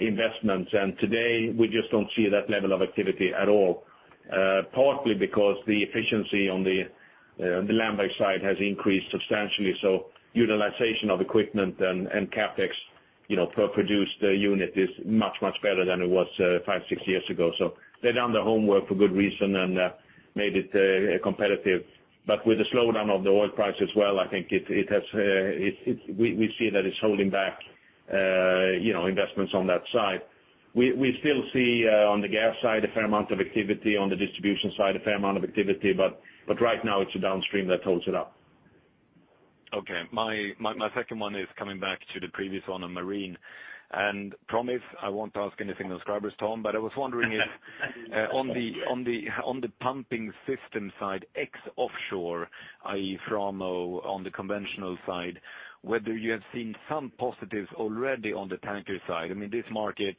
S2: investments, and today we just don't see that level of activity at all, partly because the efficiency on the land-based side has increased substantially. Utilization of equipment and CapEx per produced unit is much, much better than it was five, six years ago. They've done their homework for good reason and made it competitive. With the slowdown of the oil price as well, I think we see that it's holding back investments on that side. We still see on the gas side a fair amount of activity, on the distribution side a fair amount of activity, but right now it's the downstream that holds it up.
S9: Okay. My second one is coming back to the previous one on marine. Promise I won't ask anything on scrubbers, Tom, but I was wondering if- on the pumping system side, ex offshore, i.e., Framo on the conventional side, whether you have seen some positives already on the tanker side. This market,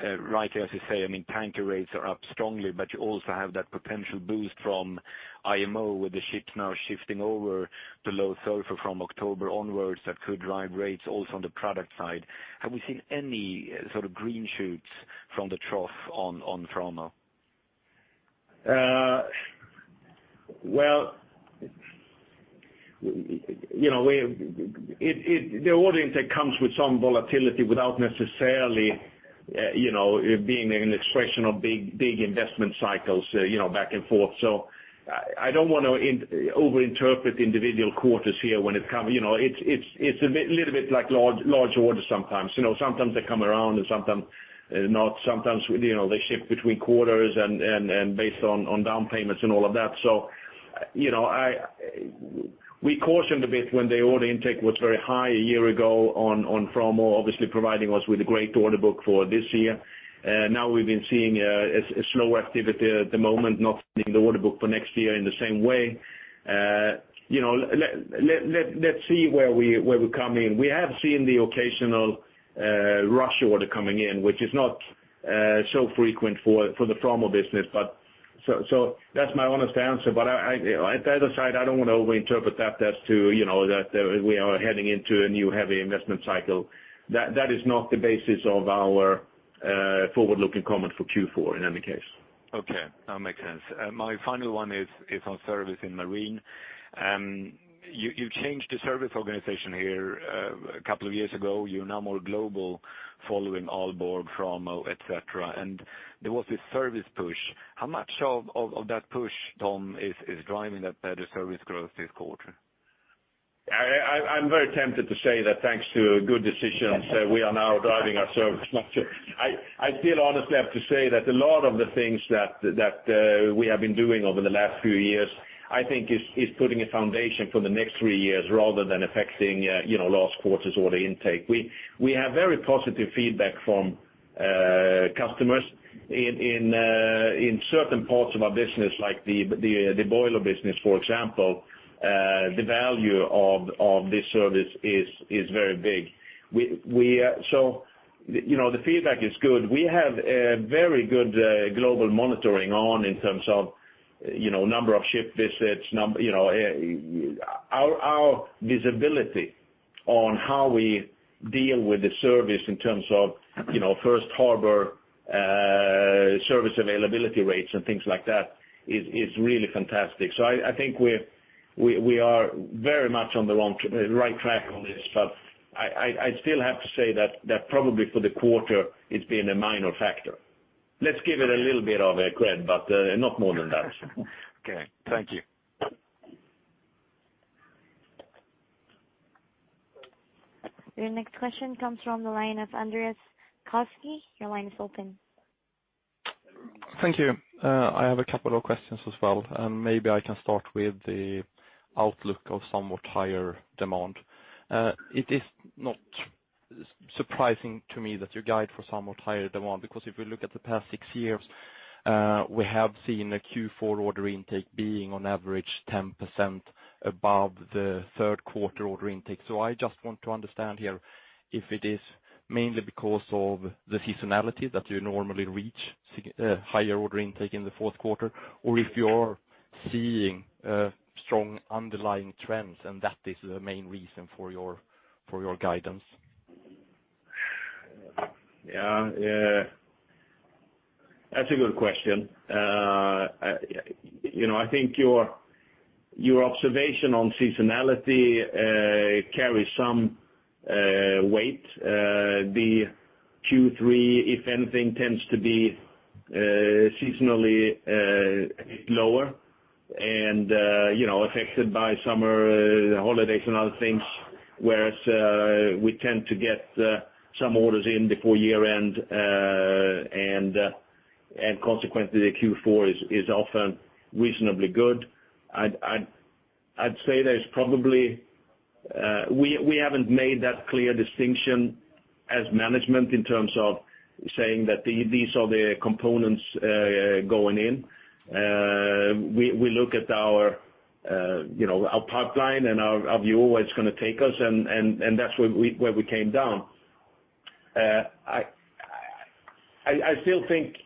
S9: rightly, as you say, tanker rates are up strongly, but you also have that potential boost from IMO with the ships now shifting over to low sulfur from October onwards. That could drive rates also on the product side. Have we seen any sort of green shoots from the trough on Framo?
S2: Well, the order intake comes with some volatility without necessarily being an expression of big investment cycles back and forth. I don't want to over-interpret individual quarters here when it comes. It's a little bit like large orders sometimes. Sometimes they come around and sometimes not. Sometimes they shift between quarters and based on down payments and all of that. We cautioned a bit when the order intake was very high a year ago on Framo, obviously providing us with a great order book for this year. Now we've been seeing a slower activity at the moment, not filling the order book for next year in the same way. Let's see where we come in. We have seen the occasional rush order coming in, which is not so frequent for the Framo business. That's my honest answer. At either side, I don't want to over-interpret that as to that we are heading into a new heavy investment cycle. That is not the basis of our forward-looking comment for Q4 in any case.
S9: Okay. That makes sense. My final one is on service in marine. You changed the service organization here a couple of years ago. You're now more global following Aalborg, Framo, et cetera, and there was this service push. How much of that push, Tom, is driving that better service growth this quarter?
S2: I'm very tempted to say that thanks to good decisions, we are now driving our service. I still honestly have to say that a lot of the things that we have been doing over the last few years, I think is putting a foundation for the next three years rather than affecting last quarter's order intake. The feedback is good. We have very positive feedback from customers in certain parts of our business, like the boiler business, for example, the value of this service is very big. We have a very good global monitoring on in terms of number of ship visits. Our visibility on how we deal with the service in terms of first harbor, service availability rates and things like that, is really fantastic. I think we are very much on the right track on this, but I still have to say that probably for the quarter it's been a minor factor. Let's give it a little bit of a cred, but not more than that.
S9: Okay. Thank you.
S1: Your next question comes from the line of Andreas Koski. Your line is open.
S10: Thank you. I have a couple of questions as well. Maybe I can start with the outlook of somewhat higher demand. It is not surprising to me that your guide for somewhat higher demand, because if you look at the past six years, we have seen a Q4 order intake being on average 10% above the third quarter order intake. I just want to understand here, if it is mainly because of the seasonality that you normally reach higher order intake in the fourth quarter, or if you are seeing strong underlying trends, and that is the main reason for your guidance.
S2: That's a good question. I think your observation on seasonality carries some weight. The Q3, if anything, tends to be seasonally a bit lower and affected by summer holidays and other things. We tend to get some orders in before year-end, and consequently, the Q4 is often reasonably good. We haven't made that clear distinction as management in terms of saying that these are the components going in. We look at our pipeline and our view of where it's going to take us and that's where we came down. I still think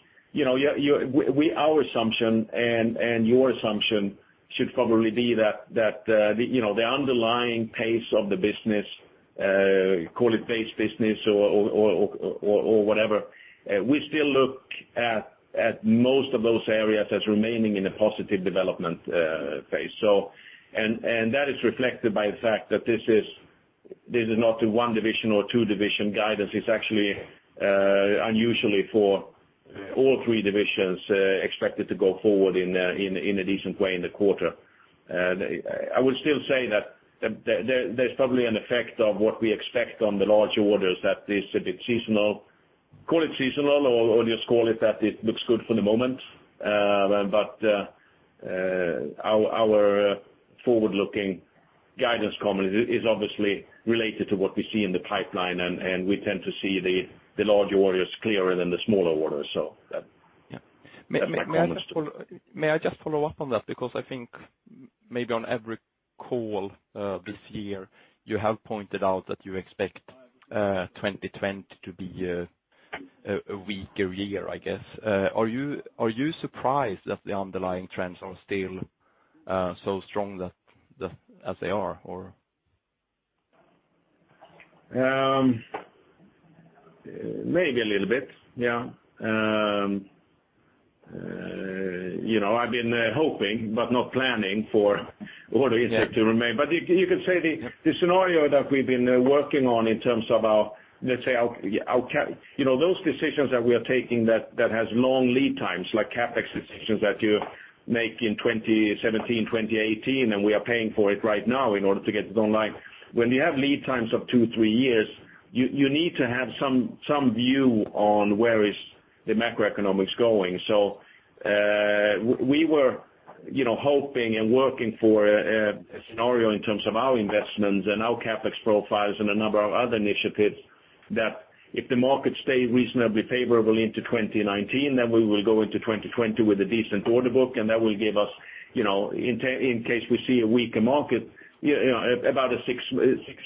S2: our assumption and your assumption should probably be that the underlying pace of the business, call it base business or whatever, we still look at most of those areas as remaining in a positive development phase. That is reflected by the fact that this is not a one division or two division guidance. It's actually unusually for all three divisions expected to go forward in a decent way in the quarter. I would still say that there's probably an effect of what we expect on the larger orders that is a bit seasonal. Call it seasonal or just call it that it looks good for the moment. Our forward-looking guidance comment is obviously related to what we see in the pipeline, and we tend to see the larger orders clearer than the smaller orders, so that's my comment.
S10: May I just follow up on that? I think maybe on every call, this year, you have pointed out that you expect 2020 to be a weaker year, I guess. Are you surprised that the underlying trends are still so strong as they are?
S2: Maybe a little bit, yeah. I've been hoping but not planning for order intake to remain. You could say the scenario that we've been working on in terms of our, let's say, those decisions that we are taking that has long lead times, like CapEx decisions that you make in 2017, 2018, and we are paying for it right now in order to get it online. When you have lead times of two, three years, you need to have some view on where is the macroeconomics going. We were hoping and working for a scenario in terms of our investments and our CapEx profiles and a number of other initiatives that if the market stay reasonably favorable into 2019, then we will go into 2020 with a decent order book, and that will give us, in case we see a weaker market, about a six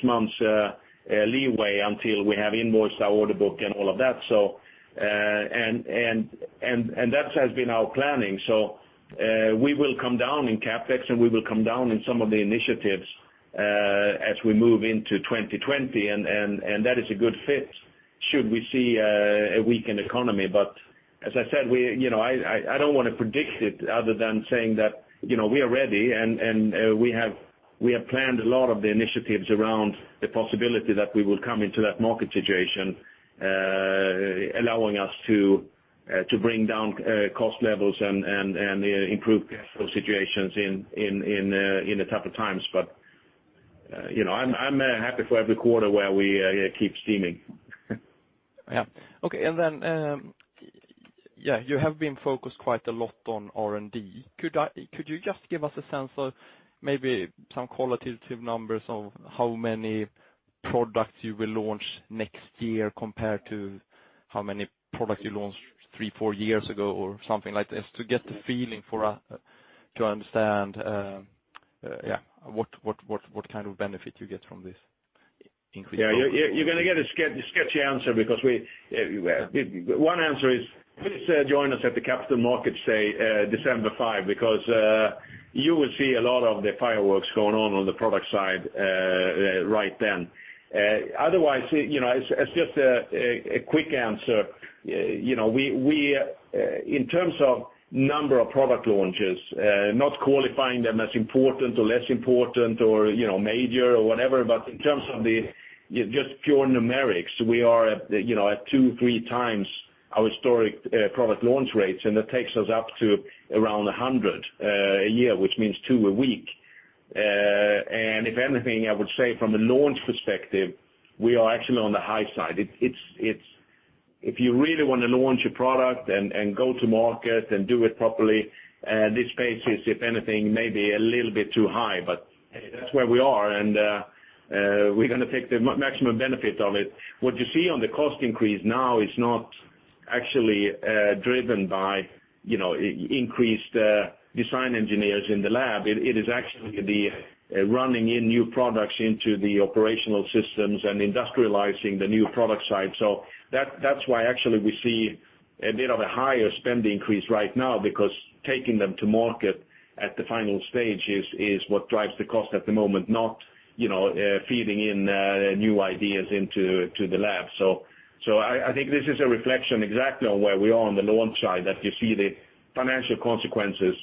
S2: months leeway until we have invoiced our order book and all of that. That has been our planning. We will come down in CapEx, and we will come down in some of the initiatives as we move into 2020, and that is a good fit should we see a weakened economy. As I said, I don't want to predict it other than saying that we are ready, and we have planned a lot of the initiatives around the possibility that we will come into that market situation, allowing us to bring down cost levels and improve cash flow situations in the tougher times. I'm happy for every quarter where we keep steaming.
S10: Yeah. Okay. You have been focused quite a lot on R&D. Could you just give us a sense of maybe some qualitative numbers of how many products you will launch next year compared to how many products you launched three, four years ago, or something like this to get the feeling for us to understand what kind of benefit you get from this.
S2: You're going to get a sketchy answer. One answer is, please join us at the Capital Markets Day, December 5, because you will see a lot of the fireworks going on the product side right then. Otherwise, as just a quick answer, in terms of number of product launches, not qualifying them as important or less important or major or whatever, but in terms of just pure numerics, we are at two, three times our historic product launch rates, and that takes us up to around 100 a year, which means two a week. If anything, I would say from a launch perspective, we are actually on the high side. If you really want to launch a product and go to market and do it properly, this pace is, if anything, maybe a little bit too high, but that's where we are, and we're going to take the maximum benefit of it. What you see on the cost increase now is not actually driven by increased design engineers in the lab. It is actually the running in new products into the operational systems and industrializing the new product side. That's why actually we see a bit of a higher spend increase right now, because taking them to market at the final stage is what drives the cost at the moment, not feeding in new ideas into the lab. I think this is a reflection exactly on where we are on the launch side, that you see the financial consequences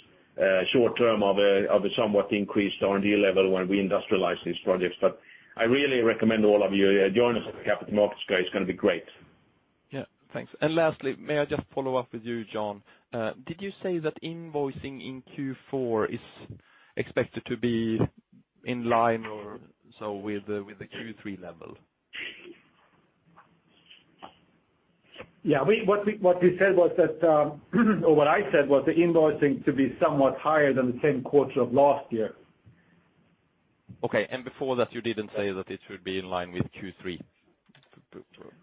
S2: short term of a somewhat increased R&D level when we industrialize these projects. I really recommend all of you, join us at the Capital Markets, guys, it's going to be great.
S10: Yeah. Thanks. Lastly, may I just follow up with you, Jan? Did you say that invoicing in Q4 is expected to be in line or so with the Q3 level?
S3: Yeah. What I said was the invoicing to be somewhat higher than the same quarter of last year.
S10: Okay. Before that, you didn't say that it would be in line with Q3?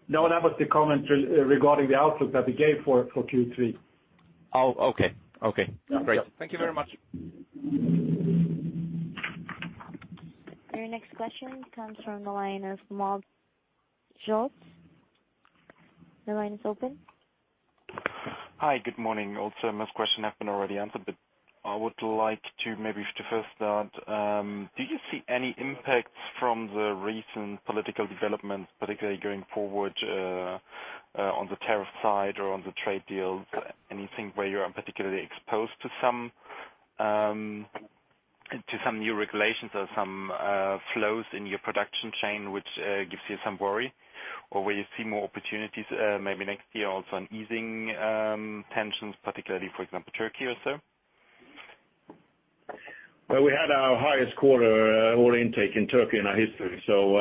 S3: That was the comment regarding the outlook that we gave for Q3.
S10: Oh, okay. Great. Thank you very much.
S1: Your next question comes from the line of Max Schulz. Your line is open.
S11: Hi. Good morning. Most questions have been already answered, but I would like to maybe to first start, do you see any impacts from the recent political developments, particularly going forward on the tariff side or on the trade deals? Anything where you are particularly exposed to some new regulations or some flows in your production chain which gives you some worry? Where you see more opportunities maybe next year also on easing tensions, particularly, for example Turkey or so?
S2: Well, we had our highest quarter order intake in Turkey in our history, so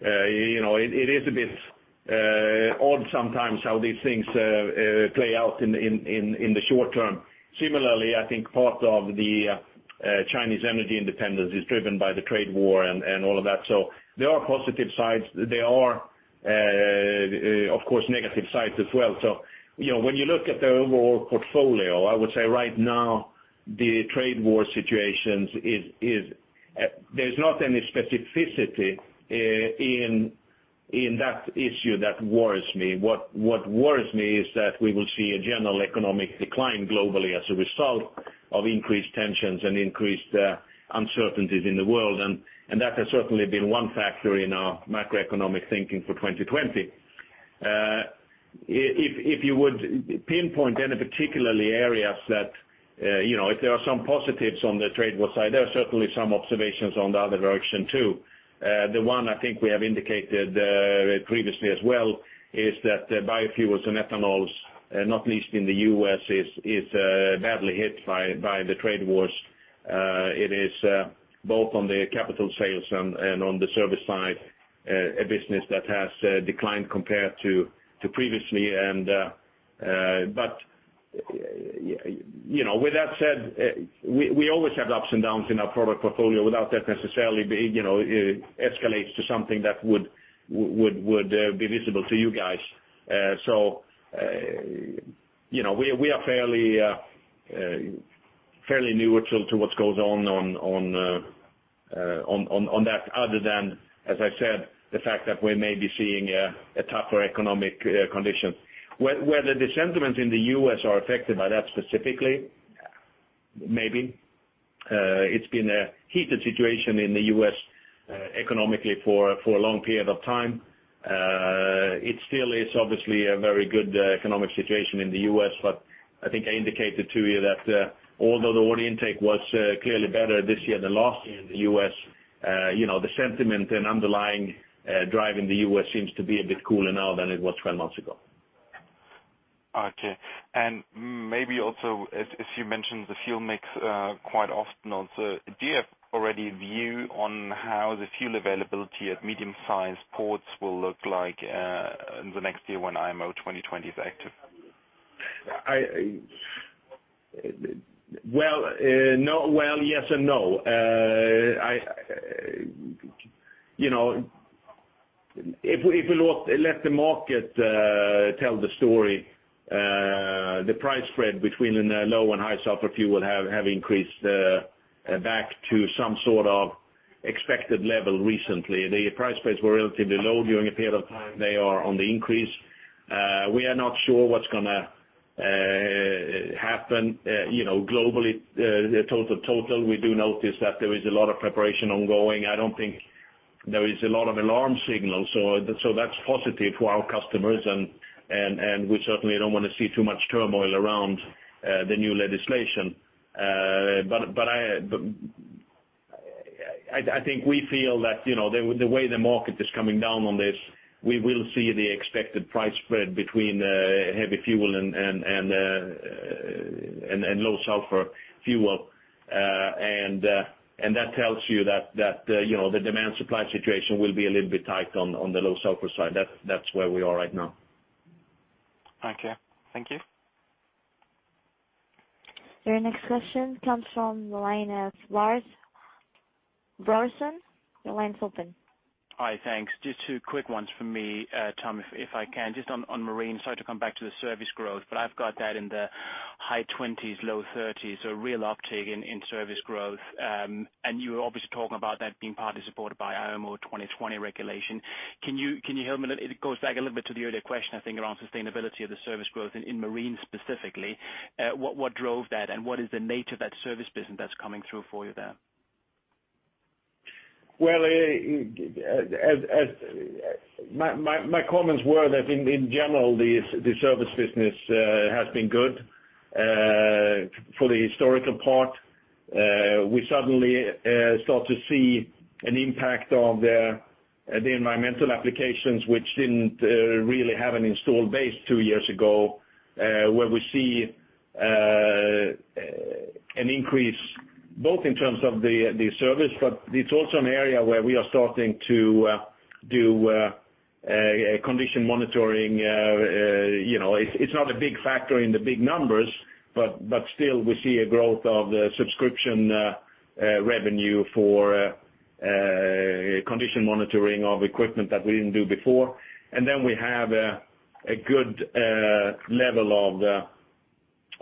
S2: it is a bit odd sometimes how these things play out in the short term. Similarly, I think part of the Chinese energy independence is driven by the trade war and all of that. There are positive sides. There are, of course, negative sides as well. When you look at the overall portfolio, I would say right now the trade war situations, there's not any specificity in that issue that worries me. What worries me is that we will see a general economic decline globally as a result of increased tensions and increased uncertainties in the world, and that has certainly been one factor in our macroeconomic thinking for 2020. If you would pinpoint any particularly areas that, if there are some positives on the trade war side, there are certainly some observations on the other direction, too. The one I think we have indicated previously as well is that biofuels and ethanols, not least in the U.S., is badly hit by the trade wars. It is both on the capital sales and on the service side, a business that has declined compared to previously. With that said, we always have ups and downs in our product portfolio without that necessarily escalates to something that would be visible to you guys. We are fairly neutral to what goes on that other than, as I said, the fact that we're maybe seeing a tougher economic condition. Whether the sentiments in the U.S. are affected by that specifically, maybe. It's been a heated situation in the U.S. economically for a long period of time. It still is obviously a very good economic situation in the U.S. I think I indicated to you that although the order intake was clearly better this year than last year in the U.S. The sentiment and underlying drive in the U.S. seems to be a bit cooler now than it was 12 months ago.
S11: Okay. Maybe also, as you mentioned, the fuel mix quite often also, do you have already view on how the fuel availability at medium-sized ports will look like in the next year when IMO 2020 is active?
S2: Yes and no. If we let the market tell the story, the price spread between the low and high sulfur fuel have increased back to some sort of expected level recently. The price spreads were relatively low during a period of time. They are on the increase. We are not sure what's going to happen globally, total. We do notice that there is a lot of preparation ongoing. I don't think there is a lot of alarm signals. That's positive for our customers and we certainly don't want to see too much turmoil around the new legislation. I think we feel that, the way the market is coming down on this, we will see the expected price spread between heavy fuel and low sulfur fuel. That tells you that the demand supply situation will be a little bit tight on the low sulfur side. That's where we are right now.
S11: Okay. Thank you.
S1: Your next question comes from the line of Lars Brorson. Your line's open.
S12: Hi, thanks. Just two quick ones from me, Tom, if I can. Just on Marine, sorry to come back to the service growth, but I've got that in the high 20s, low 30s. Real uptick in service growth. You were obviously talking about that being partly supported by IMO 2020 regulation. Can you help me a little? It goes back a little bit to the earlier question, I think, around sustainability of the service growth in Marine specifically. What drove that and what is the nature of that service business that's coming through for you there?
S2: Well, my comments were that in general, the service business has been good for the historical part. We suddenly start to see an impact of the environmental applications which didn't really have an installed base two years ago, where we see an increase both in terms of the service, but it's also an area where we are starting to do condition monitoring. It's not a big factor in the big numbers, but still we see a growth of the subscription revenue for condition monitoring of equipment that we didn't do before. Then we have a good level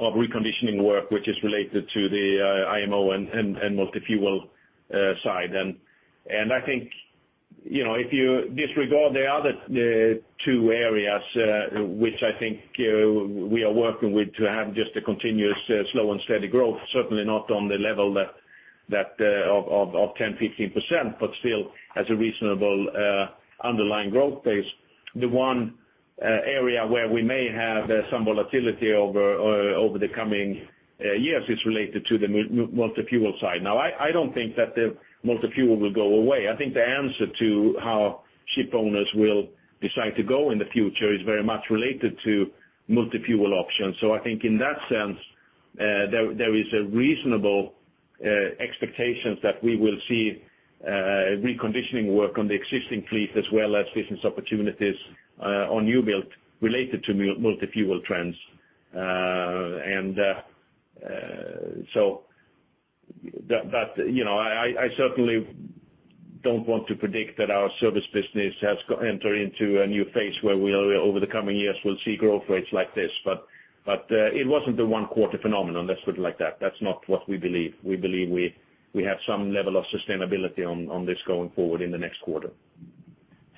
S2: of reconditioning work, which is related to the IMO and multi-fuel side. I think, if you disregard the other two areas, which I think we are working with to have just a continuous slow and steady growth, certainly not on the level of 10%-15%, but still as a reasonable underlying growth pace. The one area where we may have some volatility over the coming years is related to the multi-fuel side. I don't think that the multi-fuel will go away. I think the answer to how ship owners will decide to go in the future is very much related to multi-fuel options. I think in that sense, there is a reasonable expectations that we will see reconditioning work on the existing fleet as well as business opportunities on new build related to multi-fuel trends. I certainly don't want to predict that our service business has entered into a new phase where over the coming years, we'll see growth rates like this. It wasn't a one quarter phenomenon, let's put it like that. That's not what we believe. We believe we have some level of sustainability on this going forward in the next quarter.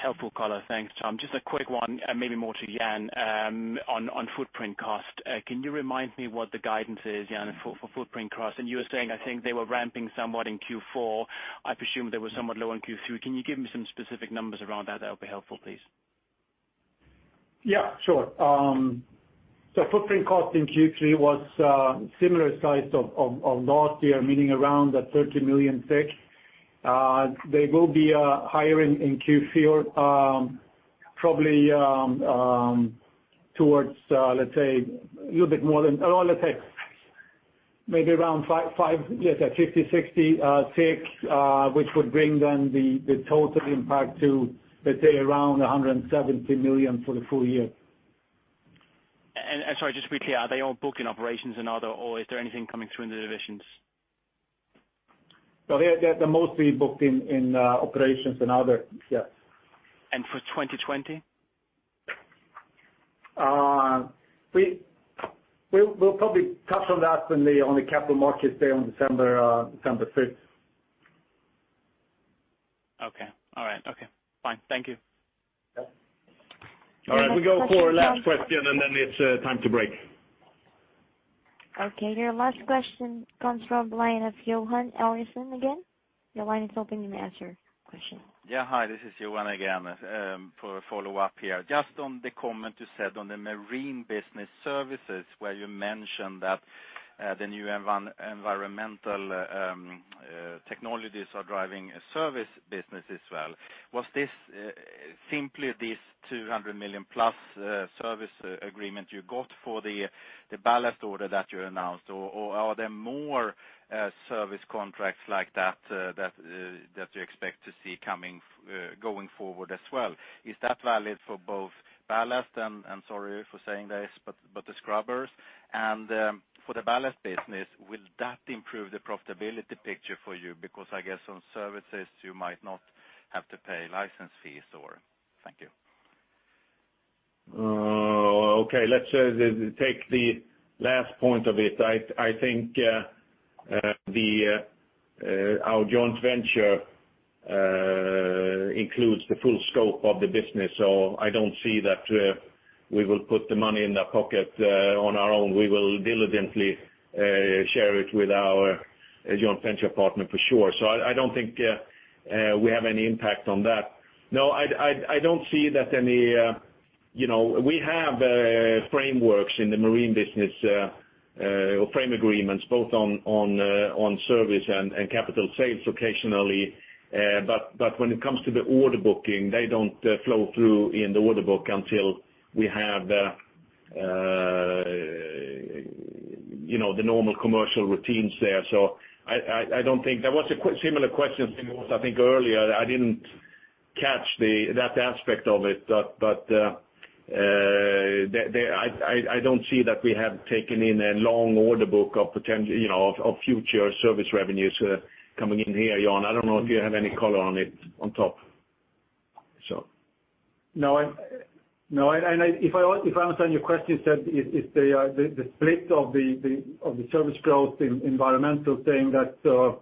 S12: Helpful color. Thanks, Tom. Just a quick one, maybe more to Jan, on footprint cost. Can you remind me what the guidance is, Jan, for footprint cost? You were saying, I think they were ramping somewhat in Q4. I presume they were somewhat low in Q3. Can you give me some specific numbers around that? That would be helpful, please.
S3: Yeah, sure. Footprint cost in Q3 was similar size of last year, meaning around that 30 million. They will be higher in Q4, probably towards, let's say maybe around 60, which would bring then the total impact to, let's say, around 170 million for the full year.
S12: Sorry, just quickly, are they all booked in operations and other, or is there anything coming through in the divisions?
S3: They're mostly booked in operations and other. Yes.
S12: For 2020?
S3: We'll probably touch on that on the Capital Markets Day on December 5th.
S12: Okay. All right. Okay, fine. Thank you.
S2: All right, we go for last question and then it's time to break.
S1: Okay, your last question comes from the line of Johan Eliason again. Your line is open, you may ask your question.
S5: Hi, this is Johan again, for a follow-up here. Just on the comment you said on the marine business services, where you mentioned that the new environmental technologies are driving a service business as well. Was this simply this 200 million plus service agreement you got for the ballast order that you announced, or are there more service contracts like that you expect to see going forward as well? Is that valid for both ballast and the scrubbers? For the ballast business, will that improve the profitability picture for you? Because I guess on services, you might not have to pay license fees, or Thank you.
S2: Let's take the last point of it. I think our joint venture includes the full scope of the business, so I don't see that we will put the money in the pocket on our own. We will diligently share it with our joint venture partner for sure. I don't think we have any impact on that. No, I don't see that we have frameworks in the marine business, or frame agreements, both on service and capital sales occasionally. When it comes to the order booking, they don't flow through in the order book until we have the normal commercial routines there. There was a similar question, I think, earlier. I didn't catch that aspect of it. I don't see that we have taken in a long order book of future service revenues coming in here, Johan. I don't know if you have any color on it on top?
S3: No. If I understand your question, you said, if the split of the service growth in environmental saying that,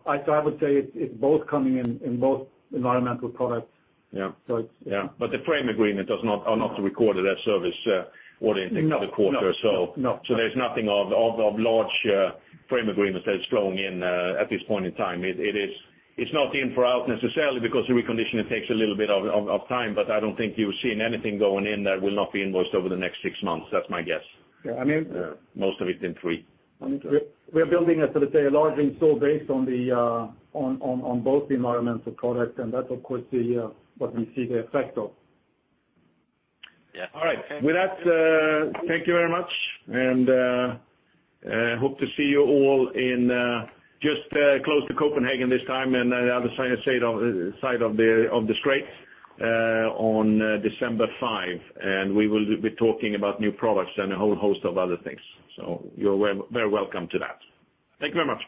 S3: I would say it's both coming in both environmental products.
S2: Yeah. The frame agreement are not recorded as service ordering for the quarter.
S3: No.
S2: There's nothing of large frame agreements that is flowing in at this point in time. It's not in-for-out necessarily, because reconditioning takes a little bit of time, but I don't think you've seen anything going in that will not be invoiced over the next six months. That's my guess.
S3: Yeah.
S2: Most of it in three.
S3: We're building a, sort of say, a large install base on both the environmental products. That's of course what we see the effect of.
S5: Yeah.
S2: All right. With that, thank you very much, and hope to see you all in just close to Copenhagen this time, and the other side of the straits, on December 5, and we will be talking about new products and a whole host of other things. You're very welcome to that. Thank you very much.